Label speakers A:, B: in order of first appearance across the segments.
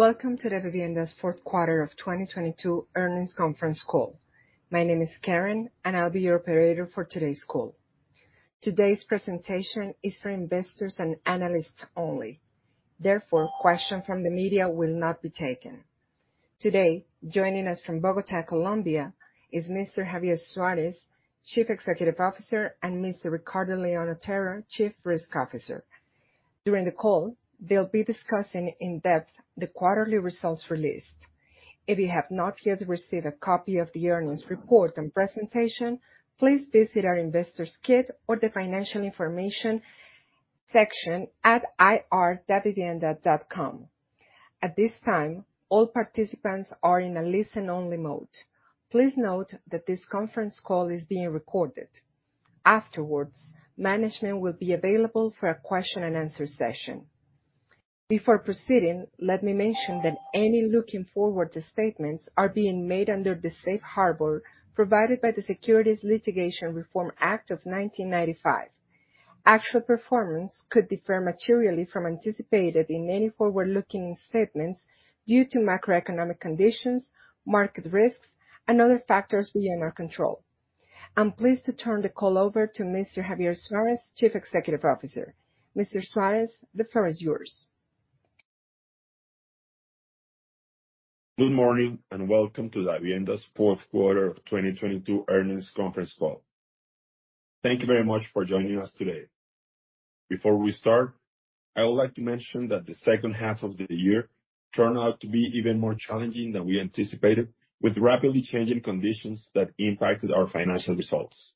A: Welcome to Davivienda's fourth quarter of 2022 earnings conference call. My name is Karen, and I'll be your operator for today's call. Today's presentation is for investors and analysts only. Therefore, questions from the media will not be taken. Today, joining us from Bogotá, Colombia, is Mr. Javier Suárez, Chief Executive Officer, and Mr. Ricardo León Otero, Chief Risk Officer. During the call, they'll be discussing in depth the quarterly results released. If you have not yet received a copy of the earnings report and presentation, please visit our investor's kit or the financial information section at ir.davivienda.com. At this time, all participants are in a listen-only mode. Please note that this conference call is being recorded. Afterwards, management will be available for a question-and-answer session. Before proceeding, let me mention that any looking-forward statements are being made under the safe harbor provided by the Securities Litigation Reform Act of 1995. Actual performance could differ materially from anticipated in any forward-looking statements due to macroeconomic conditions, market risks, and other factors beyond our control. I'm pleased to turn the call over to Mr. Javier Suárez, Chief Executive Officer. Mr. Suárez, the floor is yours.
B: Good morning and welcome to Davivienda's fourth quarter of 2022 earnings conference call. Thank you very much for joining us today. Before we start, I would like to mention that the second half of the year turned out to be even more challenging than we anticipated, with rapidly changing conditions that impacted our financial results.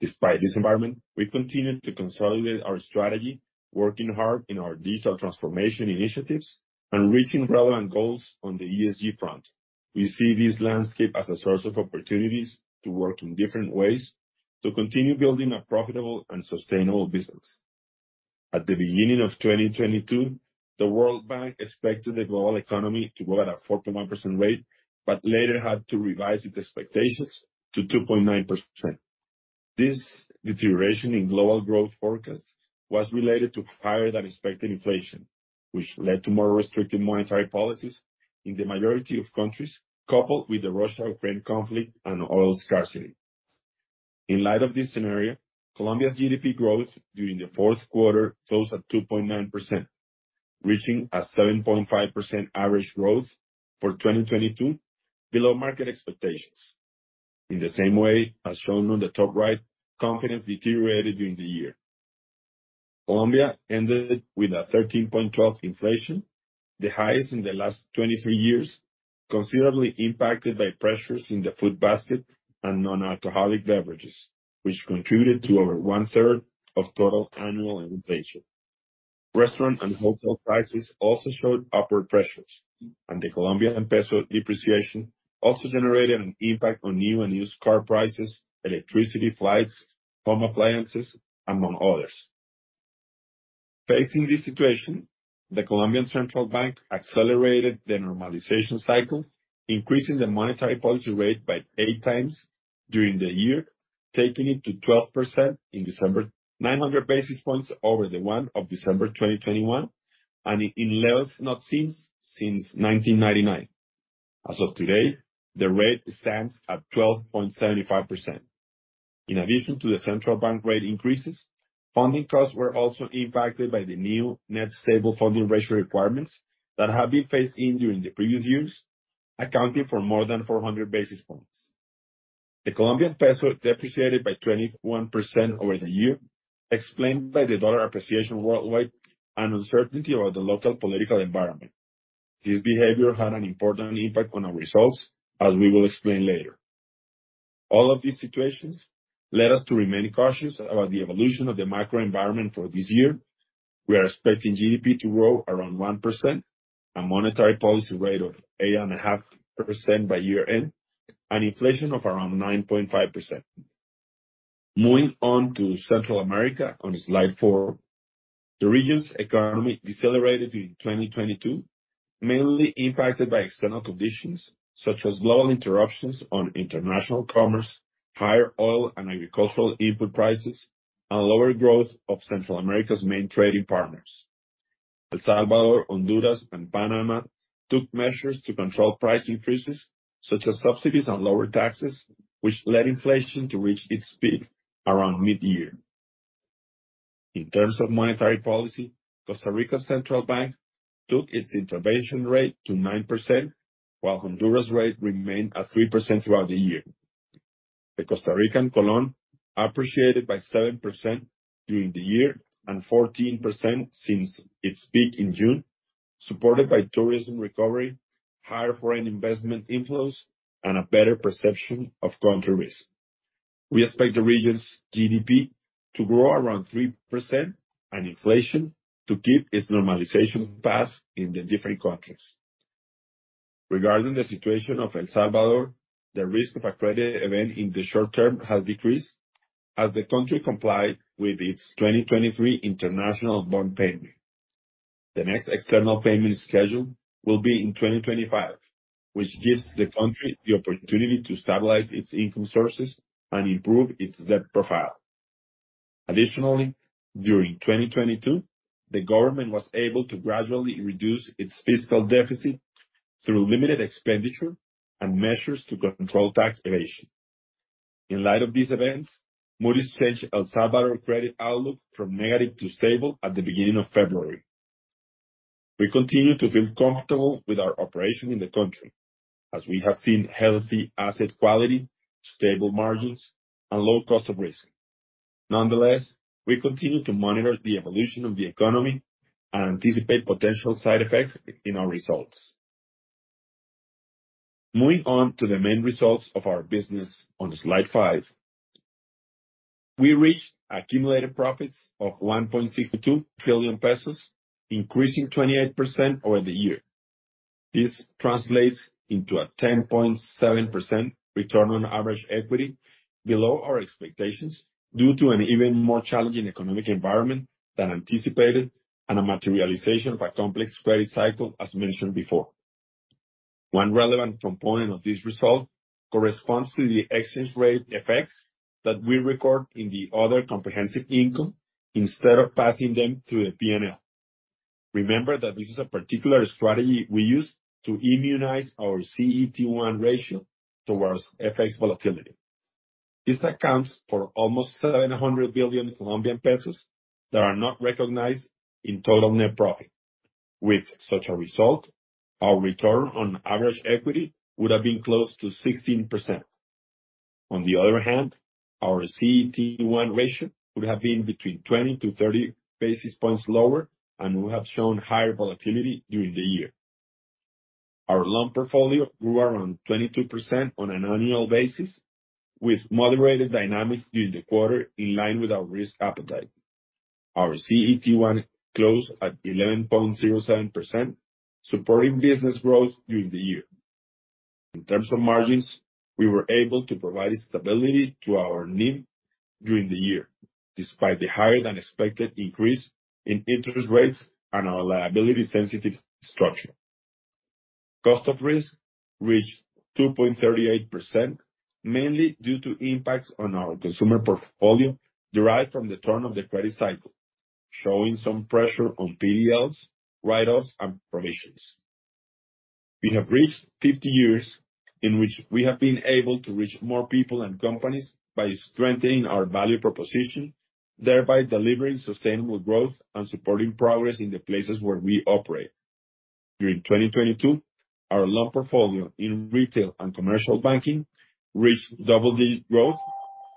B: Despite this environment, we continued to consolidate our strategy, working hard in our digital transformation initiatives and reaching relevant goals on the ESG front. We see this landscape as a source of opportunities to work in different ways to continue building a profitable and sustainable business. At the beginning of 2022, the World Bank expected the global economy to grow at a 4.1% rate, but later had to revise its expectations to 2.9%. This deterioration in global growth forecast was related to higher-than-expected inflation, which led to more restrictive monetary policies in the majority of countries, coupled with the Russia-Ukraine conflict and oil scarcity. In light of this scenario, Colombia's GDP growth during the fourth quarter closed at 2.9%, reaching a 7.5% average growth for 2022, below market expectations. In the same way, as shown on the top right, confidence deteriorated during the year. Colombia ended with a 13.12% inflation, the highest in the last 23 years, considerably impacted by pressures in the food basket and non-alcoholic beverages, which contributed to over 1/3 of total annual inflation. Restaurant and hotel prices also showed upward pressures, and the Colombian peso depreciation also generated an impact on new and used car prices, electricity, flights, home appliances, among others. Facing this situation, the Colombian Central Bank accelerated the normalization cycle, increasing the monetary policy rate by eight times during the year, taking it to 12% in December, 900 basis points over the one of December 2021, and in levels not seen since 1999. As of today, the rate stands at 12.75%. In addition to the central bank rate increases, funding costs were also impacted by the new Net Stable Funding Ratio requirements that have been phased in during the previous years, accounting for more than 400 basis points. The Colombian peso depreciated by 21% over the year, explained by the dollar appreciation worldwide and uncertainty about the local political environment. This behavior had an important impact on our results, as we will explain later. All of these situations led us to remain cautious about the evolution of the macro environment for this year. We are expecting GDP to grow around 1%, a monetary policy rate of 8.5% by year-end, and inflation of around 9.5%. Moving on to Central America on slide 4. The region's economy decelerated in 2022, mainly impacted by external conditions such as global interruptions on international commerce, higher oil and agricultural input prices, and lower growth of Central America's main trading partners. El Salvador, Honduras, and Panama took measures to control price increases, such as subsidies and lower taxes, which led inflation to reach its peak around mid-year. In terms of monetary policy, Costa Rica's central bank took its intervention rate to 9%, while Honduras' rate remained at 3% throughout the year. The Costa Rican colon appreciated by 7% during the year and 14% since its peak in June, supported by tourism recovery, higher foreign investment inflows, and a better perception of country risk. We expect the region's GDP to grow around 3% and inflation to keep its normalization path in the different countries. Regarding the situation of El Salvador, the risk of a credit event in the short term has decreased as the country complied with its 2023 international bond payment. The next external payment schedule will be in 2025, which gives the country the opportunity to stabilize its income sources and improve its debt profile. Additionally, during 2022, the government was able to gradually reduce its fiscal deficit through limited expenditure and measures to control tax evasion. In light of these events, Moody's changed El Salvador credit outlook from negative to stable at the beginning of February. We continue to feel comfortable with our operation in the country, as we have seen healthy asset quality, stable margins, and low cost of risk. We continue to monitor the evolution of the economy and anticipate potential side effects in our results. Moving on to the main results of our business on slide 5, we reached accumulated profits of COP 1.62 trillion, increasing 28% over the year. This translates into a 10.7% return on average equity below our expectations due to an even more challenging economic environment than anticipated and a materialization of a complex credit cycle, as mentioned before. One relevant component of this result corresponds to the exchange rate effects that we record in the Other Comprehensive Income instead of passing them through the P&L. Remember that this is a particular strategy we use to immunize our CET1 ratio towards FX volatility. This accounts for almost COP 700 billion that are not recognized in total net profit. With such a result, our return on average equity would have been close to 16%. On the other hand, our CET1 ratio would have been between 20 to 30 basis points lower and would have shown higher volatility during the year. Our loan portfolio grew around 22% on an annual basis, with moderated dynamics during the quarter in line with our risk appetite. Our CET1 closed at 11.07%, supporting business growth during the year. In terms of margins, we were able to provide stability to our NIM during the year, despite the higher-than-expected increase in interest rates and our liability-sensitive structure. Cost of risk reached 2.38%, mainly due to impacts on our consumer portfolio derived from the turn of the credit cycle, showing some pressure on PDLs, write-offs, and provisions. We have reached 50 years in which we have been able to reach more people and companies by strengthening our value proposition, thereby delivering sustainable growth and supporting progress in the places where we operate. During 2022, our loan portfolio in retail and commercial banking reached double-digit growth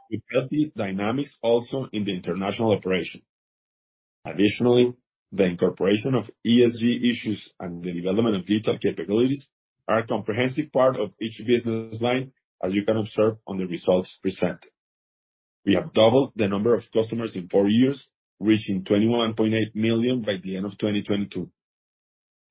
B: with healthy dynamics also in the international operation. The incorporation of ESG issues and the development of digital capabilities are a comprehensive part of each business line, as you can observe on the results presented. We have doubled the number of customers in four years, reaching 21.8 million by the end of 2022.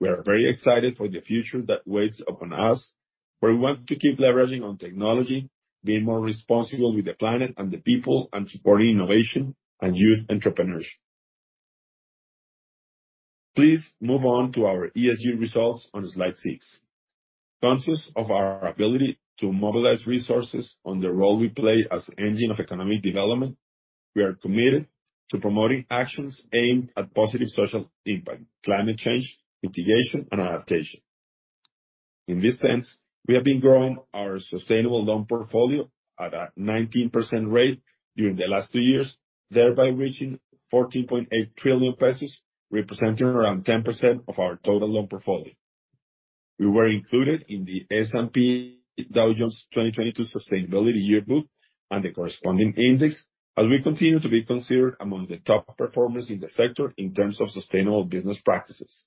B: We are very excited for the future that waits upon us, where we want to keep leveraging on technology, being more responsible with the planet and the people, and supporting innovation and youth entrepreneurship. Please move on to our ESG results on slide 6. Conscious of our ability to mobilize resources on the role we play as engine of economic development, we are committed to promoting actions aimed at positive social impact, climate change mitigation and adaptation. In this sense, we have been growing our sustainable loan portfolio at a 19% rate during the last two years, thereby reaching COP 14.8 trillion, representing around 10% of our total loan portfolio. We were included in the S&P Dow Jones 2022 Sustainability Yearbook and the corresponding index, as we continue to be considered among the top performers in the sector in terms of sustainable business practices.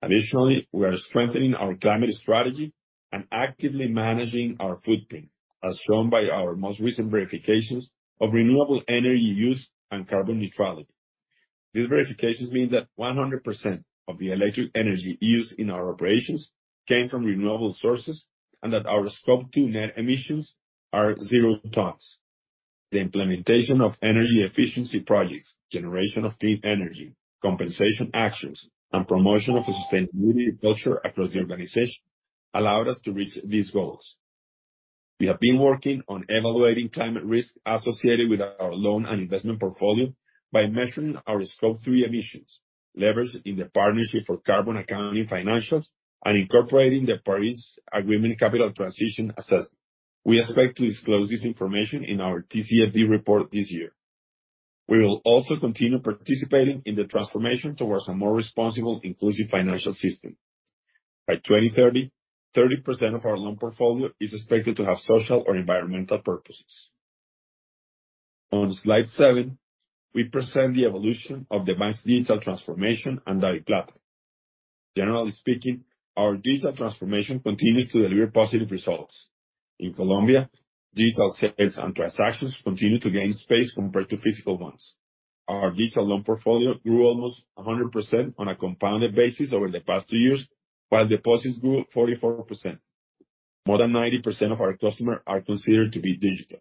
B: Additionally, we are strengthening our climate strategy and actively managing our footprint, as shown by our most recent verifications of renewable energy use and carbon neutrality. These verifications mean that 100% of the electric energy used in our operations came from renewable sources and that our Scope 2 net emissions are 0 tons. The implementation of energy efficiency projects, generation of clean energy, compensation actions, and promotion of a sustainability culture across the organization allowed us to reach these goals. We have been working on evaluating climate risk associated with our loan and investment portfolio by measuring our Scope 3 emissions, levers in the Partnership for Carbon Accounting Financials, and incorporating the Paris Agreement Capital Transition Assessment. We expect to disclose this information in our TCFD report this year. We will also continue participating in the transformation towards a more responsible, inclusive financial system. By 2030, 30% of our loan portfolio is expected to have social or environmental purposes. On slide 7, we present the evolution of the bank's digital transformation and direct platform. Generally speaking, our digital transformation continues to deliver positive results. In Colombia, digital sales and transactions continue to gain space compared to physical ones. Our digital loan portfolio grew almost 100% on a compounded basis over the past two years, while deposits grew 44%. More than 90% of our customers are considered to be digital.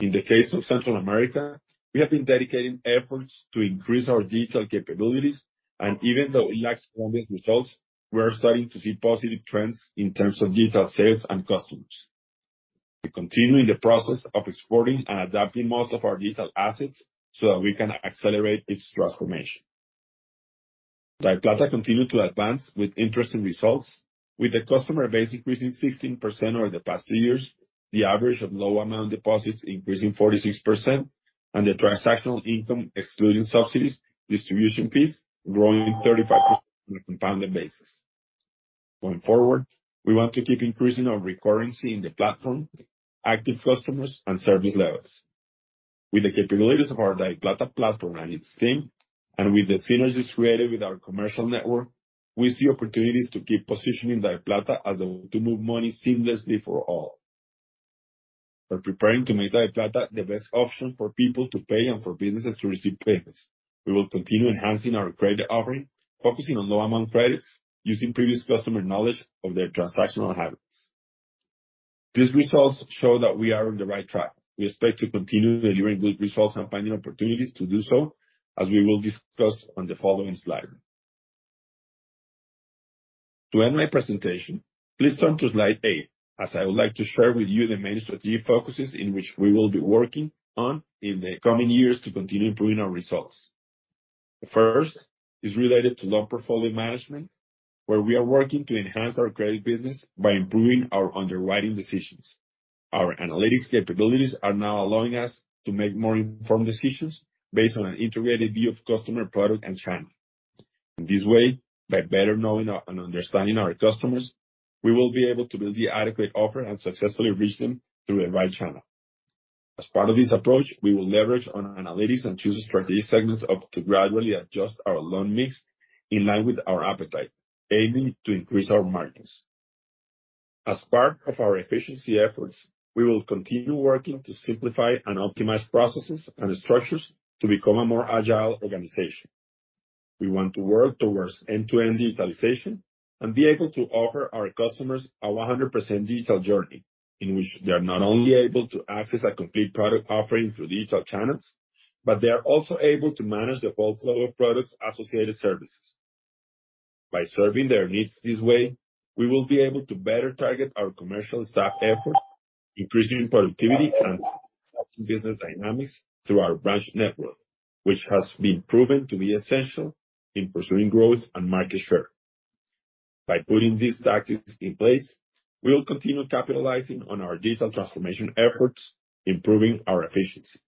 B: In the case of Central America, we have been dedicating efforts to increase our digital capabilities, and even though it lacks obvious results, we are starting to see positive trends in terms of digital sales and customers. We continue in the process of exploring and adapting most of our digital assets so that we can accelerate this transformation. DaviPlata continued to advance with interesting results. With the customer base increasing 16% over the past 2 years, the average of low amount deposits increasing 46%, and the transactional income excluding subsidies, distribution fees growing 35% on a compounded basis. Going forward, we want to keep increasing our recurrency in the platform, active customers and service levels. With the capabilities of our DaviPlata platform and its team, with the synergies created with our commercial network, we see opportunities to keep positioning DaviPlata as the way to move money seamlessly for all. We're preparing to make DaviPlata the best option for people to pay and for businesses to receive payments. We will continue enhancing our credit offering, focusing on low amount credits using previous customer knowledge of their transactional habits. These results show that we are on the right track. We expect to continue delivering good results and finding opportunities to do so, as we will discuss on the following slide. To end my presentation, please turn to slide 8, as I would like to share with you the main strategic focuses in which we will be working on in the coming years to continue improving our results. First is related to loan portfolio management, where we are working to enhance our credit business by improving our underwriting decisions. Our analytics capabilities are now allowing us to make more informed decisions based on an integrated view of customer, product and channel. In this way, by better knowing and understanding our customers, we will be able to build the adequate offer and successfully reach them through the right channel. As part of this approach, we will leverage on analytics and choose strategic segments up to gradually adjust our loan mix in line with our appetite, aiming to increase our margins. As part of our efficiency efforts, we will continue working to simplify and optimize processes and structures to become a more agile organization. We want to work toward end-to-end digitalization and be able to offer our customers a 100% digital journey in which they are not only able to access a complete product offering through digital channels, but they are also able to manage the full flow of products associated services. By serving their needs this way, we will be able to better target our commercial staff efforts, increasing productivity and business dynamics through our branch network, which has been proven to be essential in pursuing growth and market share. By putting these tactics in place, we will continue capitalizing on our digital transformation efforts, improving our efficiency.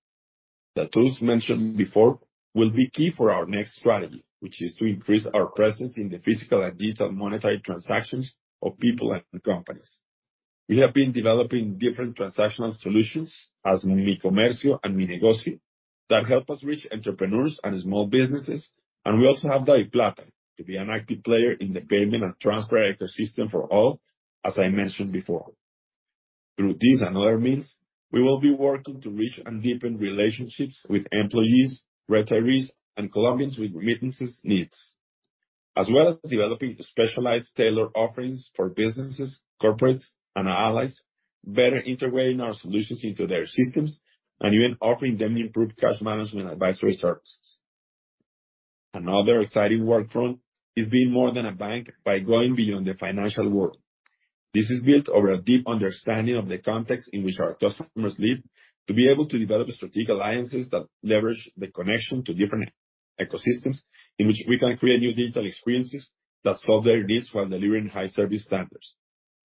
B: The tools mentioned before will be key for our next strategy, which is to increase our presence in the physical and digital monetized transactions of people and companies. We have been developing different transactional solutions as Mi Comercio and Mi Negocio that help us reach entrepreneurs and small businesses, and we also have DaviPlata to be an active player in the payment and transfer ecosystem for all as I mentioned before. Through these and other means, we will be working to reach and deepen relationships with employees, retirees, and Colombians with remittances needs. As well as developing specialized tailored offerings for businesses, corporates and our allies, better integrating our solutions into their systems and even offering them improved cash management advisory services. Another exciting work front is being more than a bank by going beyond the financial world. This is built over a deep understanding of the context in which our customers live, to be able to develop strategic alliances that leverage the connection to different ecosystems in which we can create new digital experiences that solve their needs while delivering high service standards.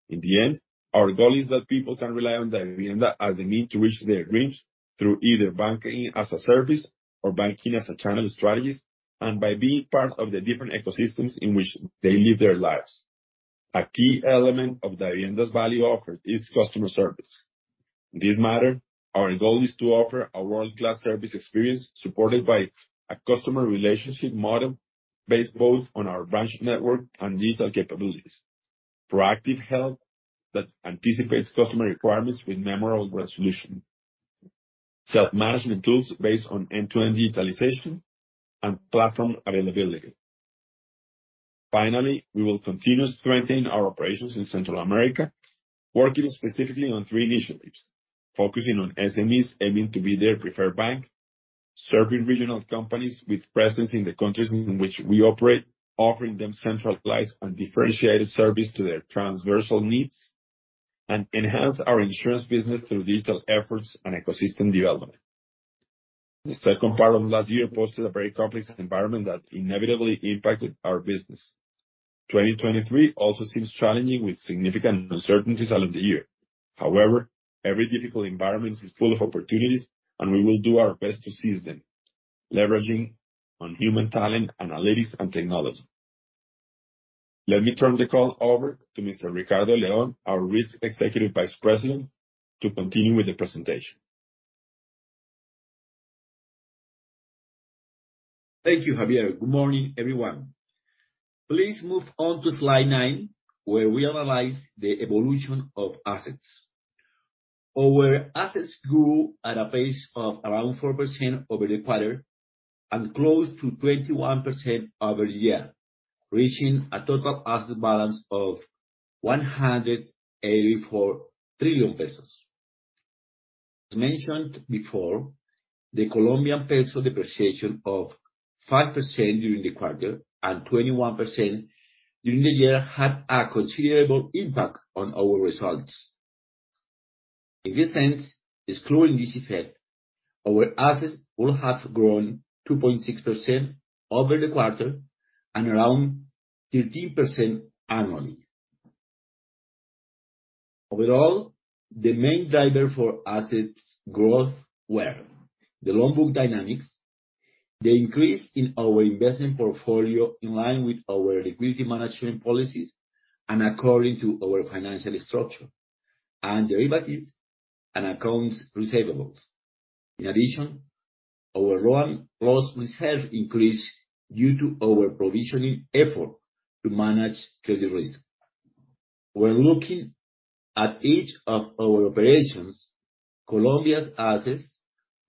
B: In the end, our goal is that people can rely on Davivienda as a means to reach their dreams through either Banking as a Service or banking as a channel strategies, and by being part of the different ecosystems in which they live their lives. A key element of Davivienda's value offer is customer service. In this matter, our goal is to offer a world-class service experience supported by a customer relationship model based both on our branch network and digital capabilities. Proactive help that anticipates customer requirements with memorable resolution, self-management tools based on end-to-end digitalization and platform availability. We will continue to strengthen our operations in Central America, working specifically on three initiatives, focusing on SMEs aiming to be their preferred bank, serving regional companies with presence in the countries in which we operate, offering them centralized and differentiated service to their transversal needs, and enhance our insurance business through digital efforts and ecosystem development. The second part of last year posted a very complex environment that inevitably impacted our business. 2023 also seems challenging with significant uncertainties out of the year. However, every difficult environment is full of opportunities, and we will do our best to seize them, leveraging on human talent, analytics and technology. Let me turn the call over to Mr. Ricardo León, our Risk Executive Vice President, to continue with the presentation.
C: Thank you, Javier. Good morning, everyone. Please move on to slide 9, where we analyze the evolution of assets. Our assets grew at a pace of around 4% over the quarter. Close to 21% over year, reaching a total asset balance of COP 184 trillion. As mentioned before, the Colombian peso depreciation of 5% during the quarter and 21% during the year had a considerable impact on our results. In this sense, excluding this effect, our assets would have grown 2.6% over the quarter and around 13% annually. Overall, the main driver for assets growth were the loan book dynamics, the increase in our investment portfolio in line with our liquidity management policies and according to our financial structure, and derivatives and accounts receivables. In addition, our loan loss reserves increased due to our provisioning effort to manage credit risk. When looking at each of our operations, Colombia's assets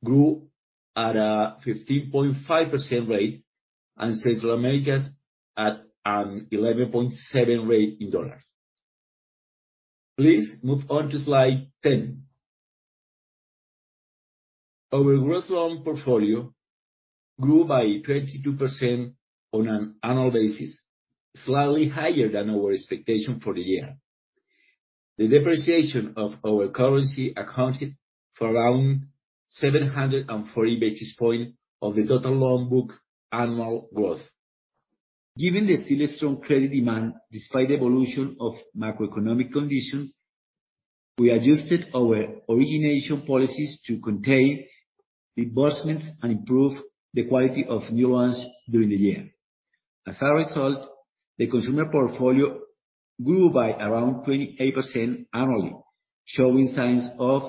C: grew at a 15.5% rate and Central Americas at an 11.7 rate in dollars. Please move on to slide 10. Our gross loan portfolio grew by 22% on an annual basis, slightly higher than our expectation for the year. The depreciation of our currency accounted for around 740 basis point of the total loan book annual growth. Given the still strong credit demand despite evolution of macroeconomic conditions, we adjusted our origination policies to contain disbursements and improve the quality of new loans during the year. As a result, the consumer portfolio grew by around 28% annually, showing signs of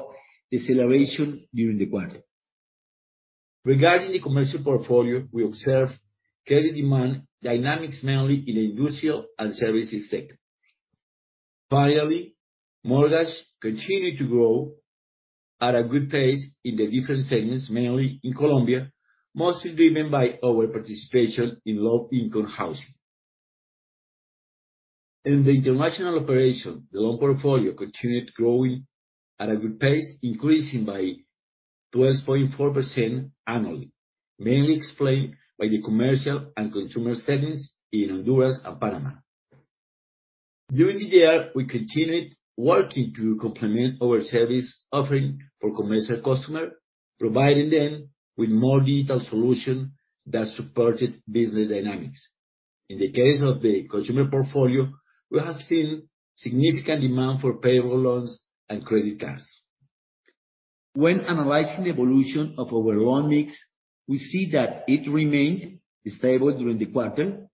C: deceleration during the quarter. Regarding the commercial portfolio, we observed credit demand dynamics mainly in industrial and services sector. Finally, mortgage continued to grow at a good pace in the different segments, mainly in Colombia, mostly driven by our participation in low-income housing. In the international operation, the loan portfolio continued growing at a good pace, increasing by 12.4% annually, mainly explained by the commercial and consumer segments in Honduras and Panama. During the year, we continued working to complement our service offering for commercial customer, providing them with more digital solution that supported business dynamics. In the case of the consumer portfolio, we have seen significant demand for payroll loans and credit cards. When analyzing the evolution of our loan mix, we see that it remained stable during the quarter,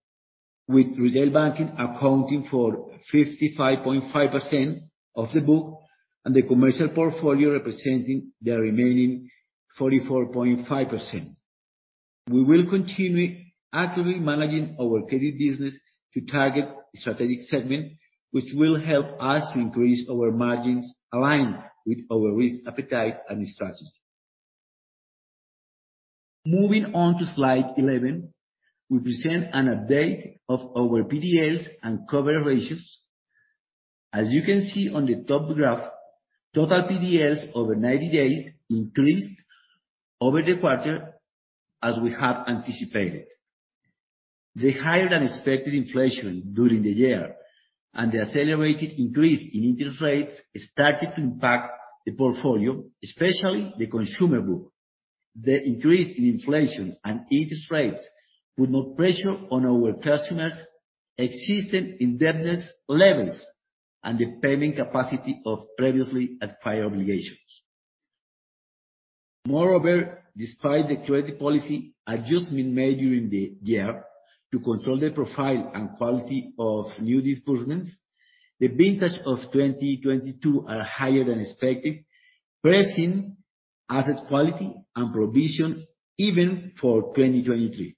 C: with retail banking accounting for 55.5% of the book and the commercial portfolio representing the remaining 44.5%. We will continue actively managing our credit business to target strategic segment, which will help us to increase our margins aligned with our risk appetite and strategy. Moving on to slide 11, we present an update of our PDLs and cover ratios. As you can see on the top graph, total PDLs over 90 days increased over the quarter as we have anticipated. The higher-than-expected inflation during the year and the accelerated increase in interest rates started to impact the portfolio, especially the consumer book. The increase in inflation and interest rates put more pressure on our customers' existing indebtedness levels and the payment capacity of previously acquired obligations. Despite the credit policy adjustment made during the year to control the profile and quality of new disbursements, the vintage of 2022 are higher than expected, pressing asset quality and provision even for 2023.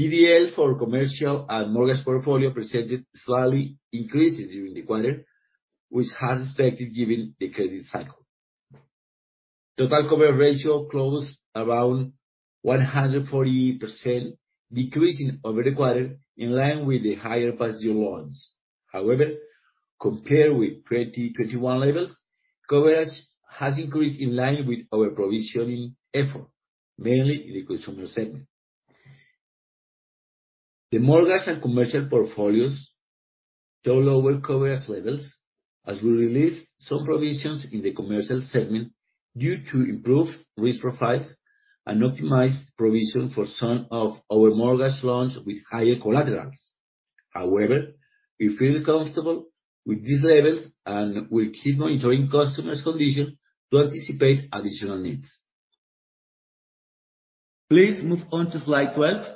C: PDL for commercial and mortgage portfolio presented slightly increases during the quarter, which was expected given the credit cycle. Total cover ratio closed around 140%, decreasing over the quarter in line with the higher past due loans. However, compared with 2021 levels, coverage has increased in line with our provisioning effort, mainly in the consumer segment. The mortgage and commercial portfolios saw lower coverage levels as we released some provisions in the commercial segment due to improved risk profiles and optimized provision for some of our mortgage loans with higher collaterals. However, we feel comfortable with these levels, and we'll keep monitoring customers' condition to anticipate additional needs. Please move on to slide 12,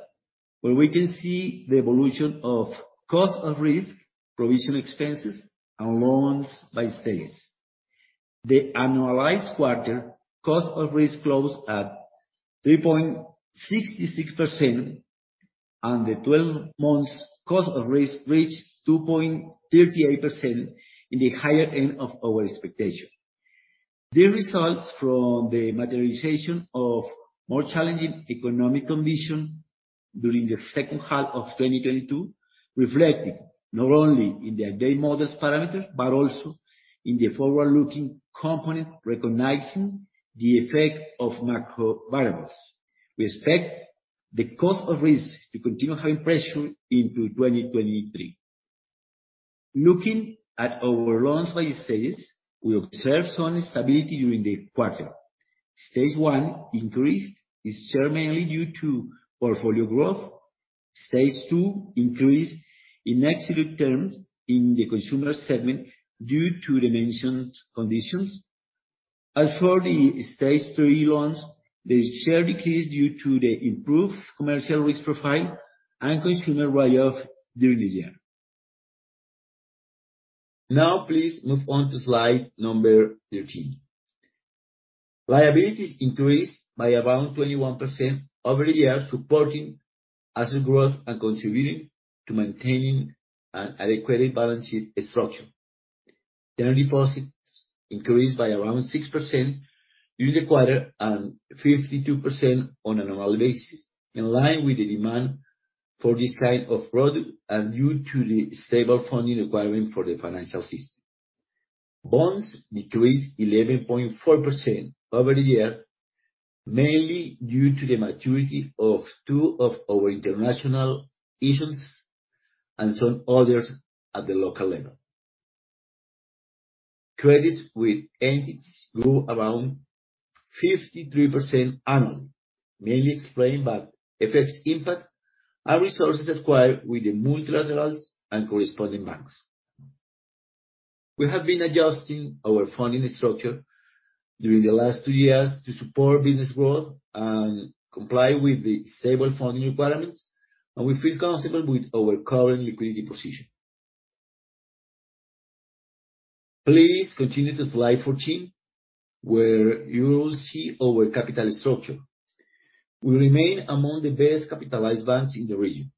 C: where we can see the evolution of cost of risk, provision expenses, and loans by stage. The annualized quarter cost of risk closed at 3.66%. The twelve months cost of risk reached 2.38%, in the higher end of our expectation. The results from the materialization of more challenging economic condition during the second half of 2022 reflected not only in the advanced models parameter, but also in the forward-looking component, recognizing the effect of macro variables. We expect the Cost of risk to continue having pressure into 2023. Looking at our loans by stages, we observed some stability during the quarter. Stage one increase is certainly due to portfolio growth. Stage two increase in absolute terms in the consumer segment due to the mentioned conditions. As for the stage three loans, the share decreased due to the improved commercial risk profile and consumer write-off during the year. Now please move on to slide number 13. Liabilities increased by around 21% over the years, supporting asset growth and contributing to maintaining an adequate balance sheet structure. General deposits increased by around 6% during the quarter, 52% on an annual basis, in line with the demand for this kind of product and due to the stable funding requirement for the financial system. Bonds decreased 11.4% over the year, mainly due to the maturity of two of our international issues and some others at the local level. Credits with entities grew around 53% annually, mainly explained by FX impact and resources acquired with the multilaterals and corresponding banks. We have been adjusting our funding structure during the last two years to support business growth and comply with the stable funding requirements, and we feel comfortable with our current liquidity position. Please continue to slide 14, where you will see our capital structure. We remain among the best capitalized banks in the region.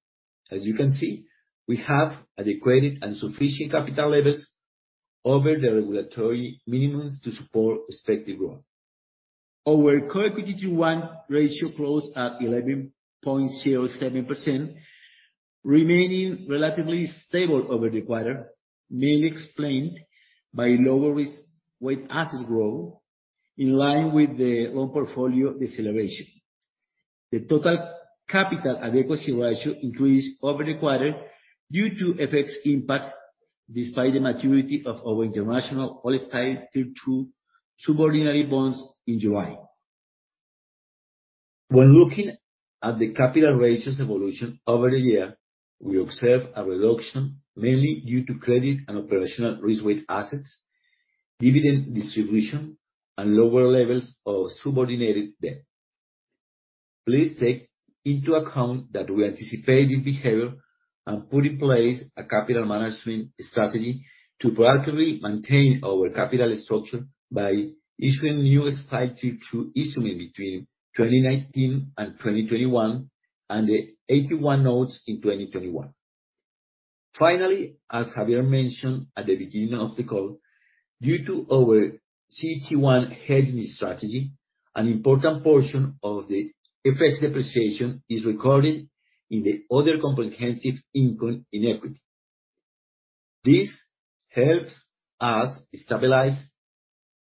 C: As you can see, we have adequate and sufficient capital levels over the regulatory minimums to support expected growth. Our core equity to one ratio closed at 11.07%, remaining relatively stable over the quarter, mainly explained by lower risk with assets growth in line with the loan portfolio deceleration. The total capital adequacy ratio increased over the quarter due to FX impact, despite the maturity of our international old-style Tier 2 subsidiary bonds in July. Looking at the capital ratios evolution over the year, we observe a reduction mainly due to credit and operational risk weight assets, dividend distribution, and lower levels of subordinated debt. Please take into account that we anticipate this behavior and put in place a capital management strategy to proactively maintain our capital structure by issuing new AT1 through issuing between 2019 and 2021 and the AT1 notes in 2021. Finally, as Javier mentioned at the beginning of the call, due to our CET1 hedging strategy, an important portion of the FX depreciation is recorded in the Other Comprehensive Income in equity. This helps us stabilize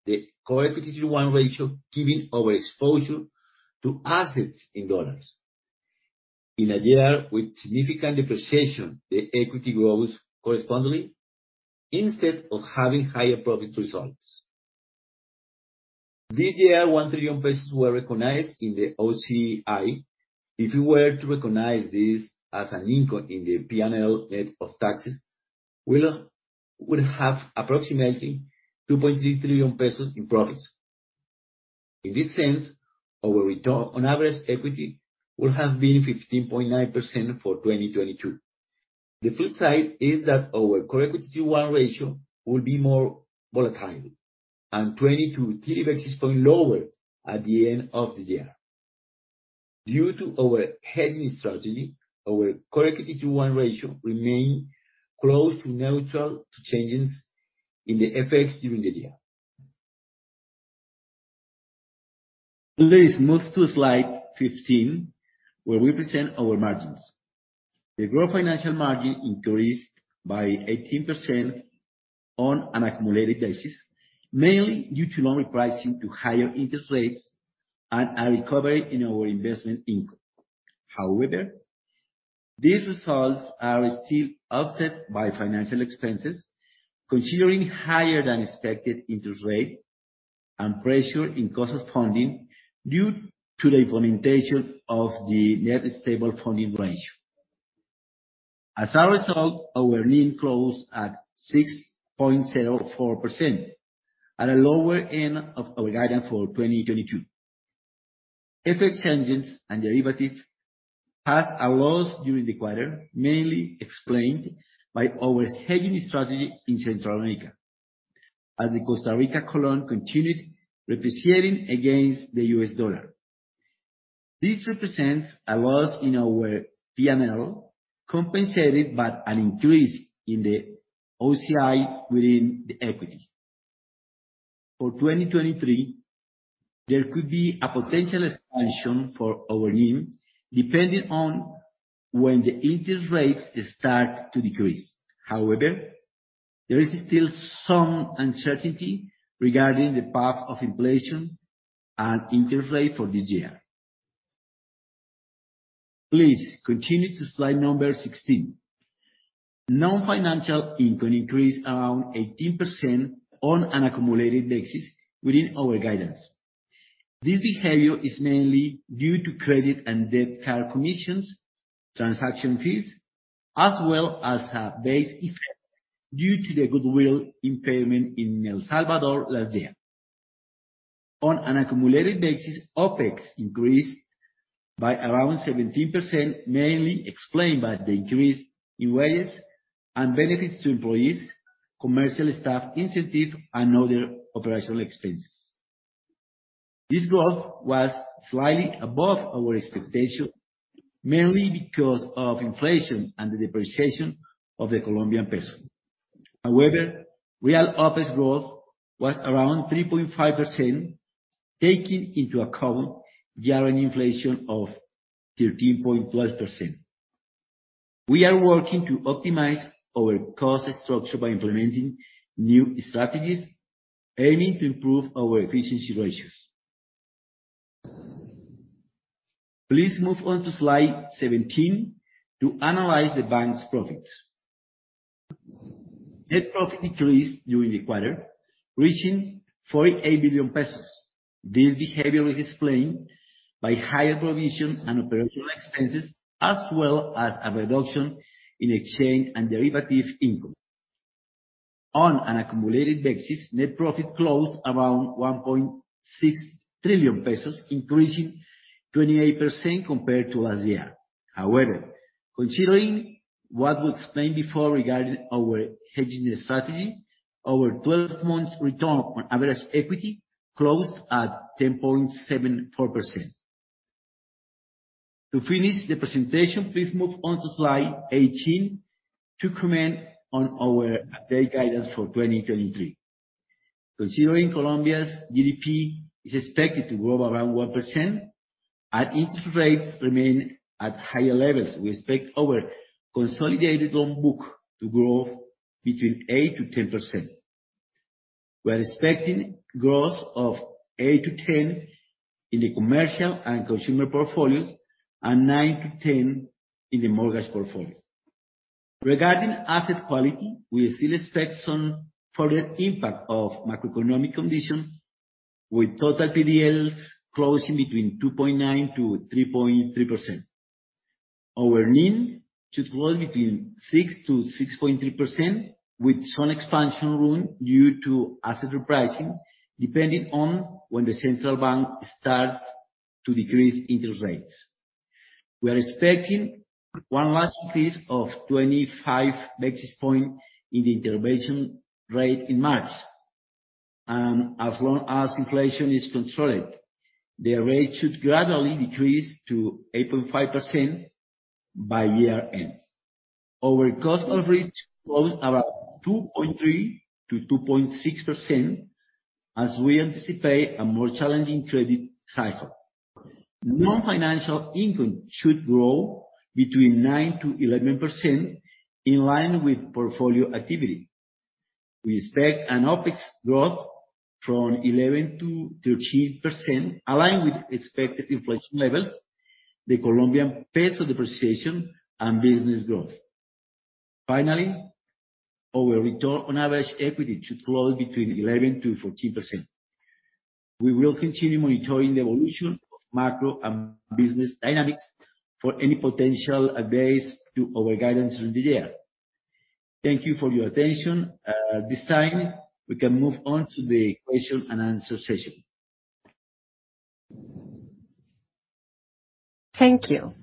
C: the CET1 ratio, giving our exposure to assets in dollars. In a year with significant depreciation, the equity grows correspondingly instead of having higher profit results. This year, COP 1 trillion were recognized in the OCI. If you were to recognize this as an income in the P&L net of taxes, we would have approximately COP 2.3 trillion in profits. In this sense, our return on average equity would have been 15.9% for 2022. The flip side is that our core equity to one ratio will be more volatile and 22 basis points lower at the end of the year. Due to our hedging strategy, our core equity to one ratio remain close to neutral to changes in the FX during the year. Please move to slide 15, where we present our margins. The gross financial margin increased by 18% on an accumulated basis, mainly due to loan repricing to higher interest rates and a recovery in our investment income. These results are still offset by financial expenses, considering higher than expected interest rate and pressure in cost of funding due to the implementation of the Net Stable Funding Ratio. Our NIM closed at 6.04% at a lower end of our guidance for 2022. FX hedges and derivative had a loss during the quarter, mainly explained by our hedging strategy in Central America. The Costa Rican colon continued depreciating against the US dollar. This represents a loss in our PNL compensated by an increase in the OCI within the equity. There could be a potential expansion for our NIM, depending on when the interest rates start to decrease. There is still some uncertainty regarding the path of inflation and interest rate for this year. Please continue to slide number 16. Non-financial income increased around 18% on an accumulated basis within our guidance. This behavior is mainly due to credit and debt card commissions, transaction fees, as well as a base effect due to the goodwill impairment in El Salvador last year. On an accumulated basis, OpEx increased by around 17%, mainly explained by the increase in wages and benefits to employees, commercial staff incentive, and other operational expenses. This growth was slightly above our expectation, mainly because of inflation and the depreciation of the Colombian peso. However, real OpEx growth was around 3.5%, taking into account year-on-year inflation of 13.1%. We are working to optimize our cost structure by implementing new strategies, aiming to improve our efficiency ratios. Please move on to slide 17 to analyze the bank's profits. Net profit increased during the quarter, reaching COP 48 billion. This behavior is explained by higher provisions and operational expenses, as well as a reduction in exchange and derivative income. On an accumulated basis, net profit closed around COP 1.6 trillion, increasing 28% compared to last year. Considering what we explained before regarding our hedging strategy, our 12 months return on average equity closed at 10.74%. To finish the presentation, please move on to slide 18 to comment on our updated guidance for 2023. Considering Colombia's GDP is expected to grow around 1% and interest rates remain at higher levels, we expect our consolidated loan book to grow between 8%-10%. We are expecting growth of 8%-10% in the commercial and consumer portfolios and 9%-10% in the mortgage portfolio. Regarding asset quality, we still expect some further impact of macroeconomic conditions with total PDL closing between 2.9%-3.3%. Our NIM should grow between 6%-6.3%, with some expansion room due to asset repricing, depending on when the central bank starts to decrease interest rates. We are expecting one last increase of 25 basis points in the intervention rate in March. As long as inflation is controlled, the rate should gradually decrease to 8.5% by year end. Our cost of risk closed around 2.3%-2.6%, as we anticipate a more challenging credit cycle. Non-financial income should grow between 9%-11% in line with portfolio activity. We expect an OpEx growth from 11%-13%, aligned with expected inflation levels, the Colombian peso depreciation, and business growth. Finally, our return on average equity should close between 11%-14%. We will continue monitoring the evolution of macro and business dynamics for any potential updates to our guidance through the year. Thank you for your attention. At this time, we can move on to the question and answer session.
A: Thank you.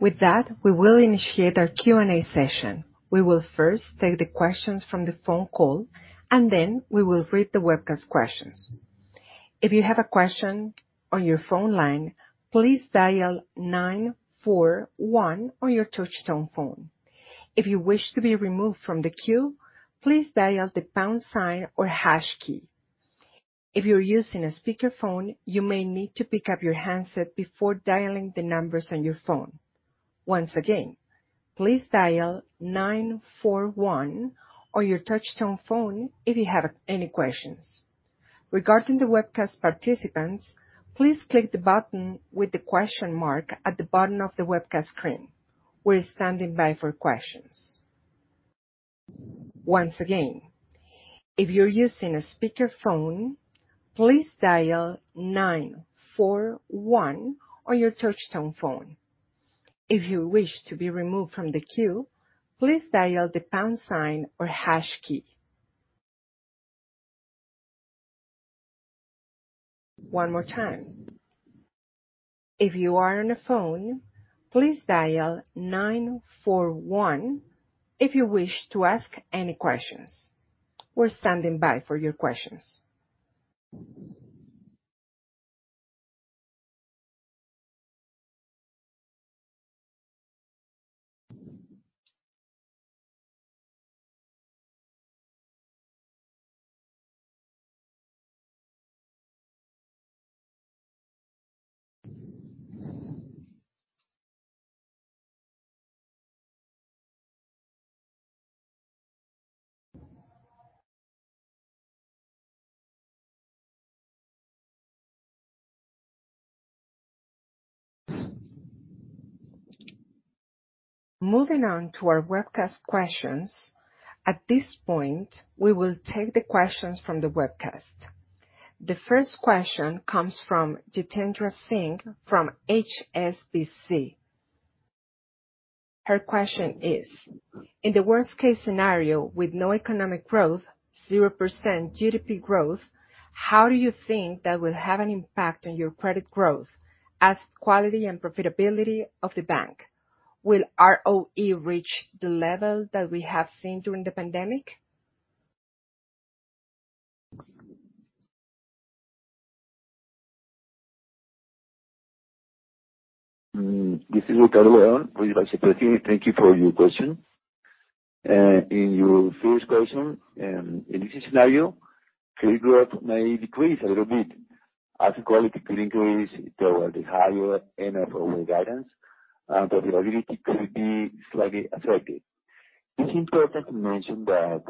A: With that, we will initiate our Q&A session. We will first take the questions from the phone call, and then we will read the webcast questions. If you have a question on your phone line, please dial nine four one on your touch tone phone. If you wish to be removed from the queue, please dial the pound sign or hash key. If you're using a speakerphone, you may need to pick up your handset before dialing the numbers on your phone. Once again, please dial nine four one on your touch tone phone if you have any questions. Regarding the webcast participants, please click the button with the question mark at the bottom of the webcast screen. We're standing by for questions. Once again, if you're using a speakerphone, please dial nine four one on your touch tone phone. If you wish to be removed from the queue, please dial the pound sign or hash key. One more time. If you are on the phone, please dial 941 if you wish to ask any questions. We're standing by for your questions. Moving on to our webcast questions. At this point, we will take the questions from the webcast. The first question comes from Jitendra Singh from HSBC. Her question is: In the worst case scenario with no economic growth, 0% GDP growth, how do you think that will have an impact on your credit growth, asset quality, and profitability of the bank? Will ROE reach the level that we have seen during the pandemic?
C: This is Ricardo Leon, Vice President. Thank you for your question. In your first question, in this scenario, credit growth may decrease a little bit. Asset quality could increase toward the higher end of our guidance, and profitability could be slightly affected. It's important to mention that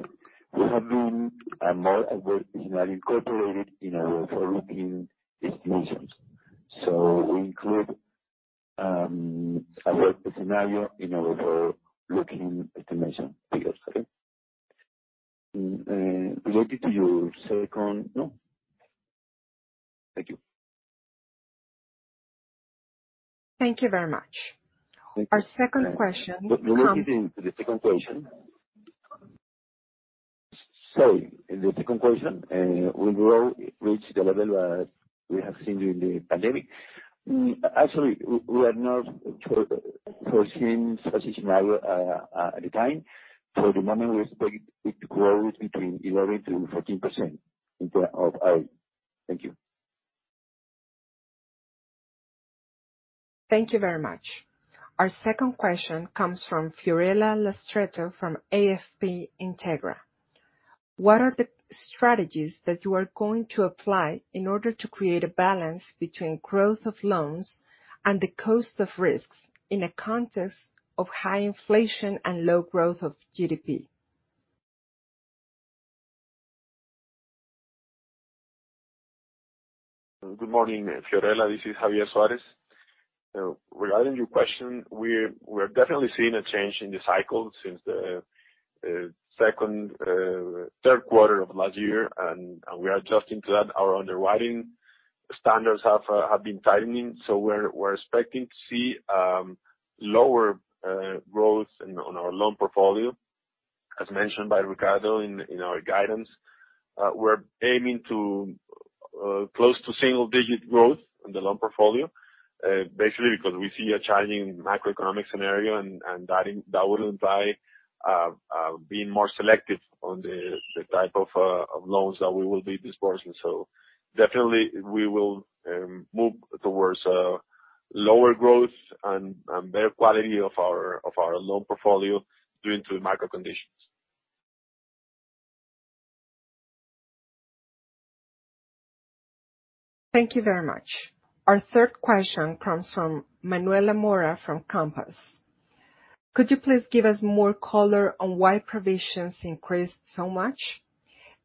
C: we have been a more adverse scenario incorporated in our forward-looking estimations. We include adverse scenario in our forward-looking estimation periods. Okay. Related to your second... No? Thank you.
A: Thank you very much.
C: Thank you.
A: Our second question.
C: Related in, to the second question. Sorry. In the second question, will growth reach the level that we have seen during the pandemic? Actually, we are not foreseeing such a scenario at the time. For the moment, we expect it to grow between 11%-14% in terms of ROE. Thank you.
A: Thank you very much. Our second question comes from Fiorella Lastreto from AFP Integra. What are the strategies that you are going to apply in order to create a balance between growth of loans and the Cost of risk in a context of high inflation and low growth of GDP?
B: Good morning, Fiorella. This is Javier Suárez. Regarding your question, we're definitely seeing a change in the cycle since the second, third quarter of last year, and we are adjusting to that. Our underwriting standards have been tightening, so we're expecting to see lower growth on our loan portfolio. As mentioned by Ricardo in our guidance, we're aiming to close to single-digit growth in the loan portfolio, basically because we see a changing macroeconomic scenario, and that will imply being more selective on the type of loans that we will be dispersing. Definitely we will move towards lower growth and better quality of our loan portfolio due to the macro conditions.
A: Thank you very much. Our third question comes from Manuel Amora from Compass Group. Could you please give us more color on why provisions increased so much?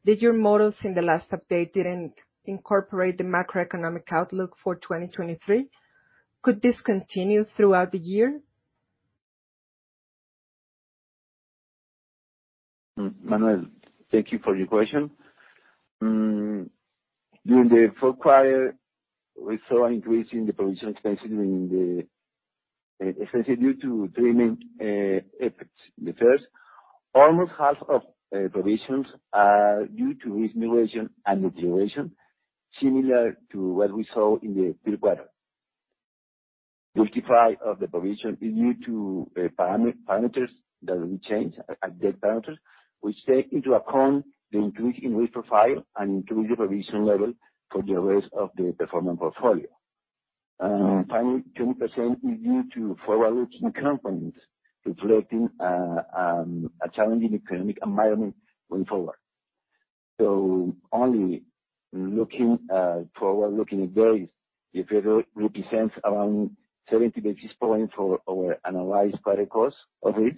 A: Did your models in the last update didn't incorporate the macroeconomic outlook for 2023? Could this continue throughout the year?
C: Manuel, thank you for your question. During the fourth quarter, we saw an increase in the provision expenses in the essentially due to three main effects. The first, almost half of provisions are due to remuneration and deterioration, similar to what we saw in the third quarter. 55 of the provision is due to parameters that we changed, update parameters, which take into account the increase in risk profile and increase the provision level for the rest of the performing portfolio. Finally, 10% is due to forward-looking components, reflecting a challenging economic environment going forward. Only looking forward-looking advice, it represents around 70 basis points for our analyzed credit cost of risk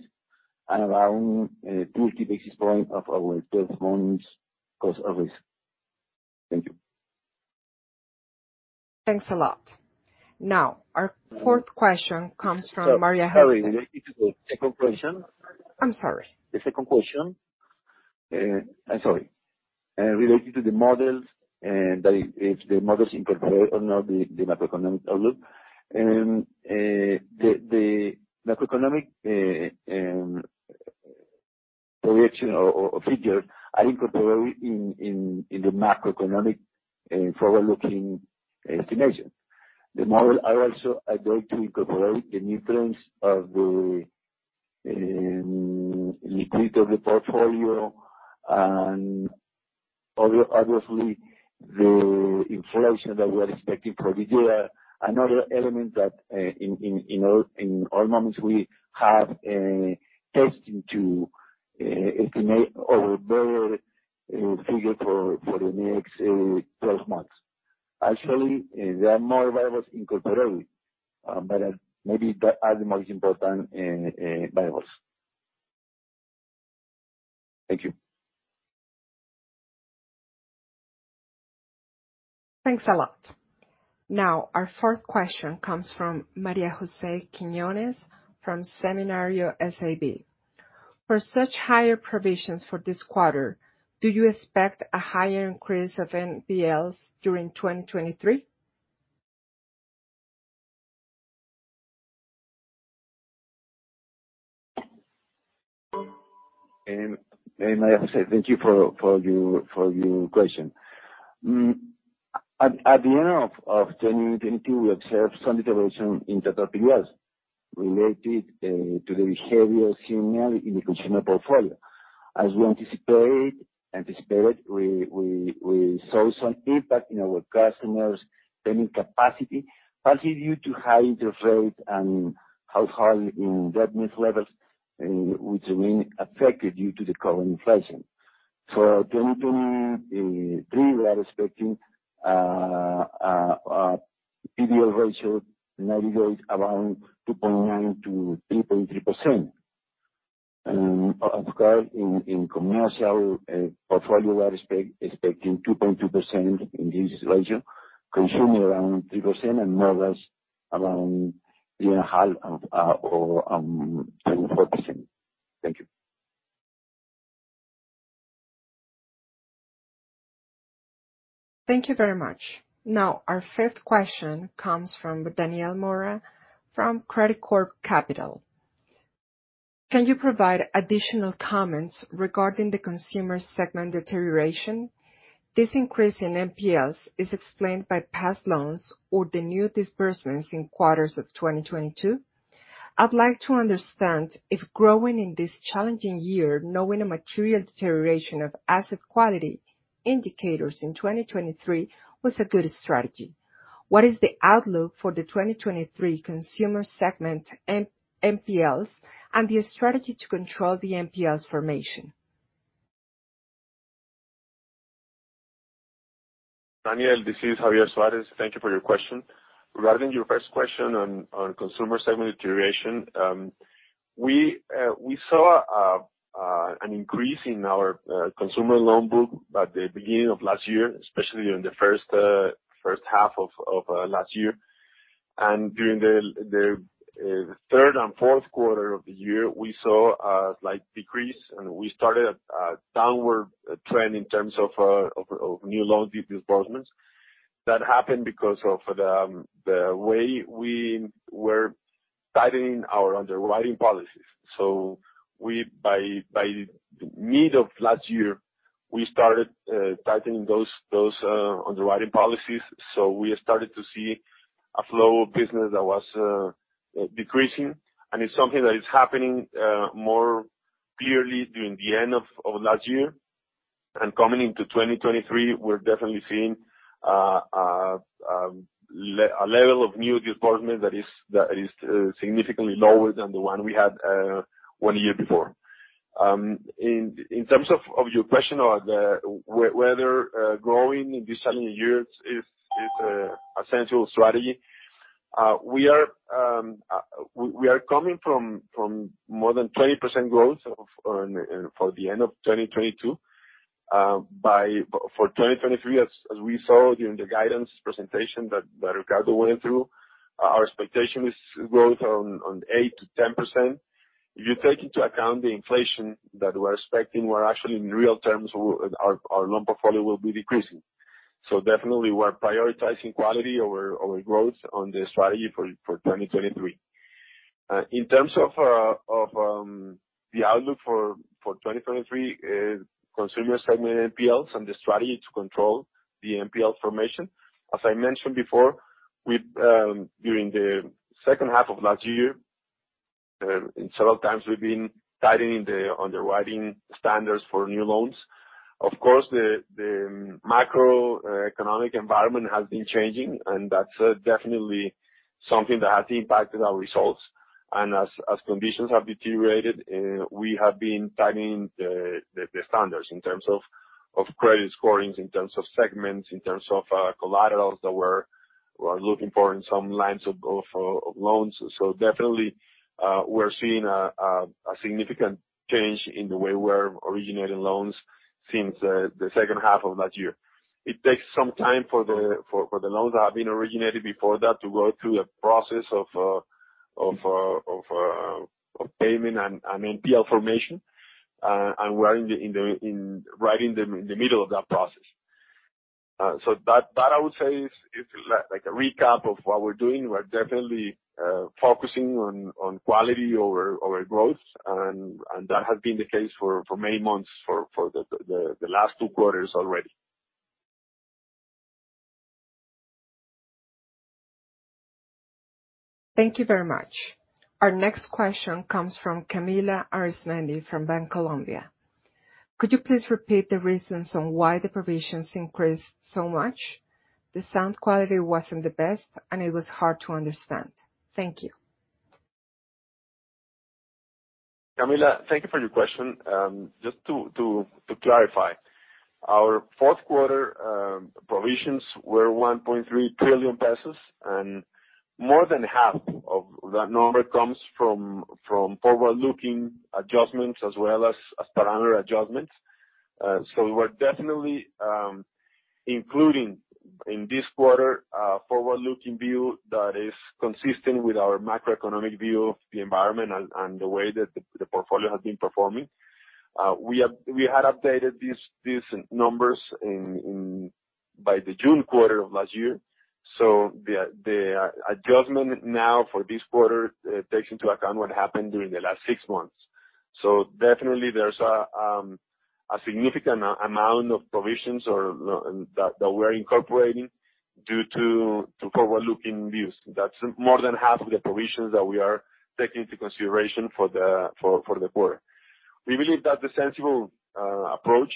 C: and around 20 basis points of our 12 months cost of risk. Thank you.
A: Thanks a lot. Now, our fourth question comes from Maria Jose-
B: Sorry, related to the second question.
A: I'm sorry.
B: The second question. I'm sorry. Related to the models, and that if the models incorporate or not the macroeconomic outlook. The macroeconomic direction or figure are incorporated in the macroeconomic forward-looking estimation. The model are also going to incorporate the new trends of the retreat of the portfolio, and obviously, the inflation that we are expecting for this year. Another element that in all moments we have testing to estimate or borrow figure for the next 12 months. Actually, there are more variables incorporated, but maybe the are the most important variables. Thank you.
A: Thanks a lot. Our fourth question comes from María José Quiñones from Seminario & Cía. S.A.B. For such higher provisions for this quarter, do you expect a higher increase of NPLs during 2023?
C: María Jose, thank you for your question. At the end of 2022, we observed some deterioration in the top NPLs related to the heavier in the consumer portfolio. As we anticipated, we saw some impact in our customers' spending capacity, partly due to high interest rate and household indebtedness levels, which have been affected due to the current inflation. For 2023, we are expecting PBL ratio navigate around 2.9%-3.3%. Of course, in commercial portfolio, we are expecting 2.2% in this ratio, consumer around 3% and more or less around three and a half or 34%. Thank you.
A: Thank you very much. Now, our fifth question comes from Daniel Mora from Credicorp Capital. Can you provide additional comments regarding the consumer segment deterioration? This increase in NPLs is explained by past loans or the new disbursements in quarters of 2022. I'd like to understand if growing in this challenging year knowing a material deterioration of asset quality indicators in 2023 was a good strategy. What is the outlook for the 2023 consumer segment NPLs, and the strategy to control the NPLs formation?
B: Daniel, this is Javier Suarez. Thank you for your question. Regarding your first question on consumer segment deterioration, we saw an increase in our consumer loan book at the beginning of last year, especially in the first half of last year. During the third and fourth quarter of the year, we saw a slight decrease, and we started a downward trend in terms of new loans disbursements. That happened because of the way we were tightening our underwriting policies. We by mid of last year, we started tightening those underwriting policies, so we started to see a flow of business that was decreasing. It's something that is happening more clearly during the end of last year. Coming into 2023, we're definitely seeing a level of new disbursement that is significantly lower than the 1 year before. In terms of your question on whether growing in this challenging year is a central strategy, we are coming from more than 20% growth for the end of 2022. For 2023, as we saw during the guidance presentation that Ricardo went through, our expectation is growth on 8%-10%. If you take into account the inflation that we're expecting, we're actually in real terms, our loan portfolio will be decreasing. Definitely we're prioritizing quality over growth on the strategy for 2023. In terms of the outlook for 2023, consumer segment NPLs and the strategy to control the NPL formation, as I mentioned before, we, during the second half of last year, in several times we've been tightening the underwriting standards for new loans. Of course, the macroeconomic environment has been changing, and that's definitely something that has impacted our results. As conditions have deteriorated, we have been tightening the standards in terms of credit scorings, in terms of segments, in terms of collaterals that we're looking for in some lines of loans. Definitely, we're seeing a significant change in the way we're originating loans since the second half of last year. It takes some time for the loans that have been originated before that to go through a process of payment and NPL formation, and we're in the, right in the middle of that process. That I would say is like a recap of what we're doing. We're definitely focusing on quality over growth. That has been the case for many months, for the last two quarters already.
A: Thank you very much. Our next question comes from Adriana Arismendi from Bancolombia. Could you please repeat the reasons on why the provisions increased so much? The sound quality wasn't the best, and it was hard to understand. Thank you.
B: Camilla, thank you for your question. just to clarify, our fourth quarter provisions were COP 1.3 trillion, and more than half of that number comes from forward-looking adjustments as well as parameter adjustments. we're definitely including in this quarter a forward-looking view that is consistent with our macroeconomic view of the environment and the way that the portfolio has been performing. We had updated these numbers in by the June quarter of last year, so the adjustment now for this quarter takes into account what happened during the last 6 months. Definitely there's a significant amount of provisions that we're incorporating due to forward-looking views. That's more than half of the provisions that we are taking into consideration for the quarter. We believe that's a sensible approach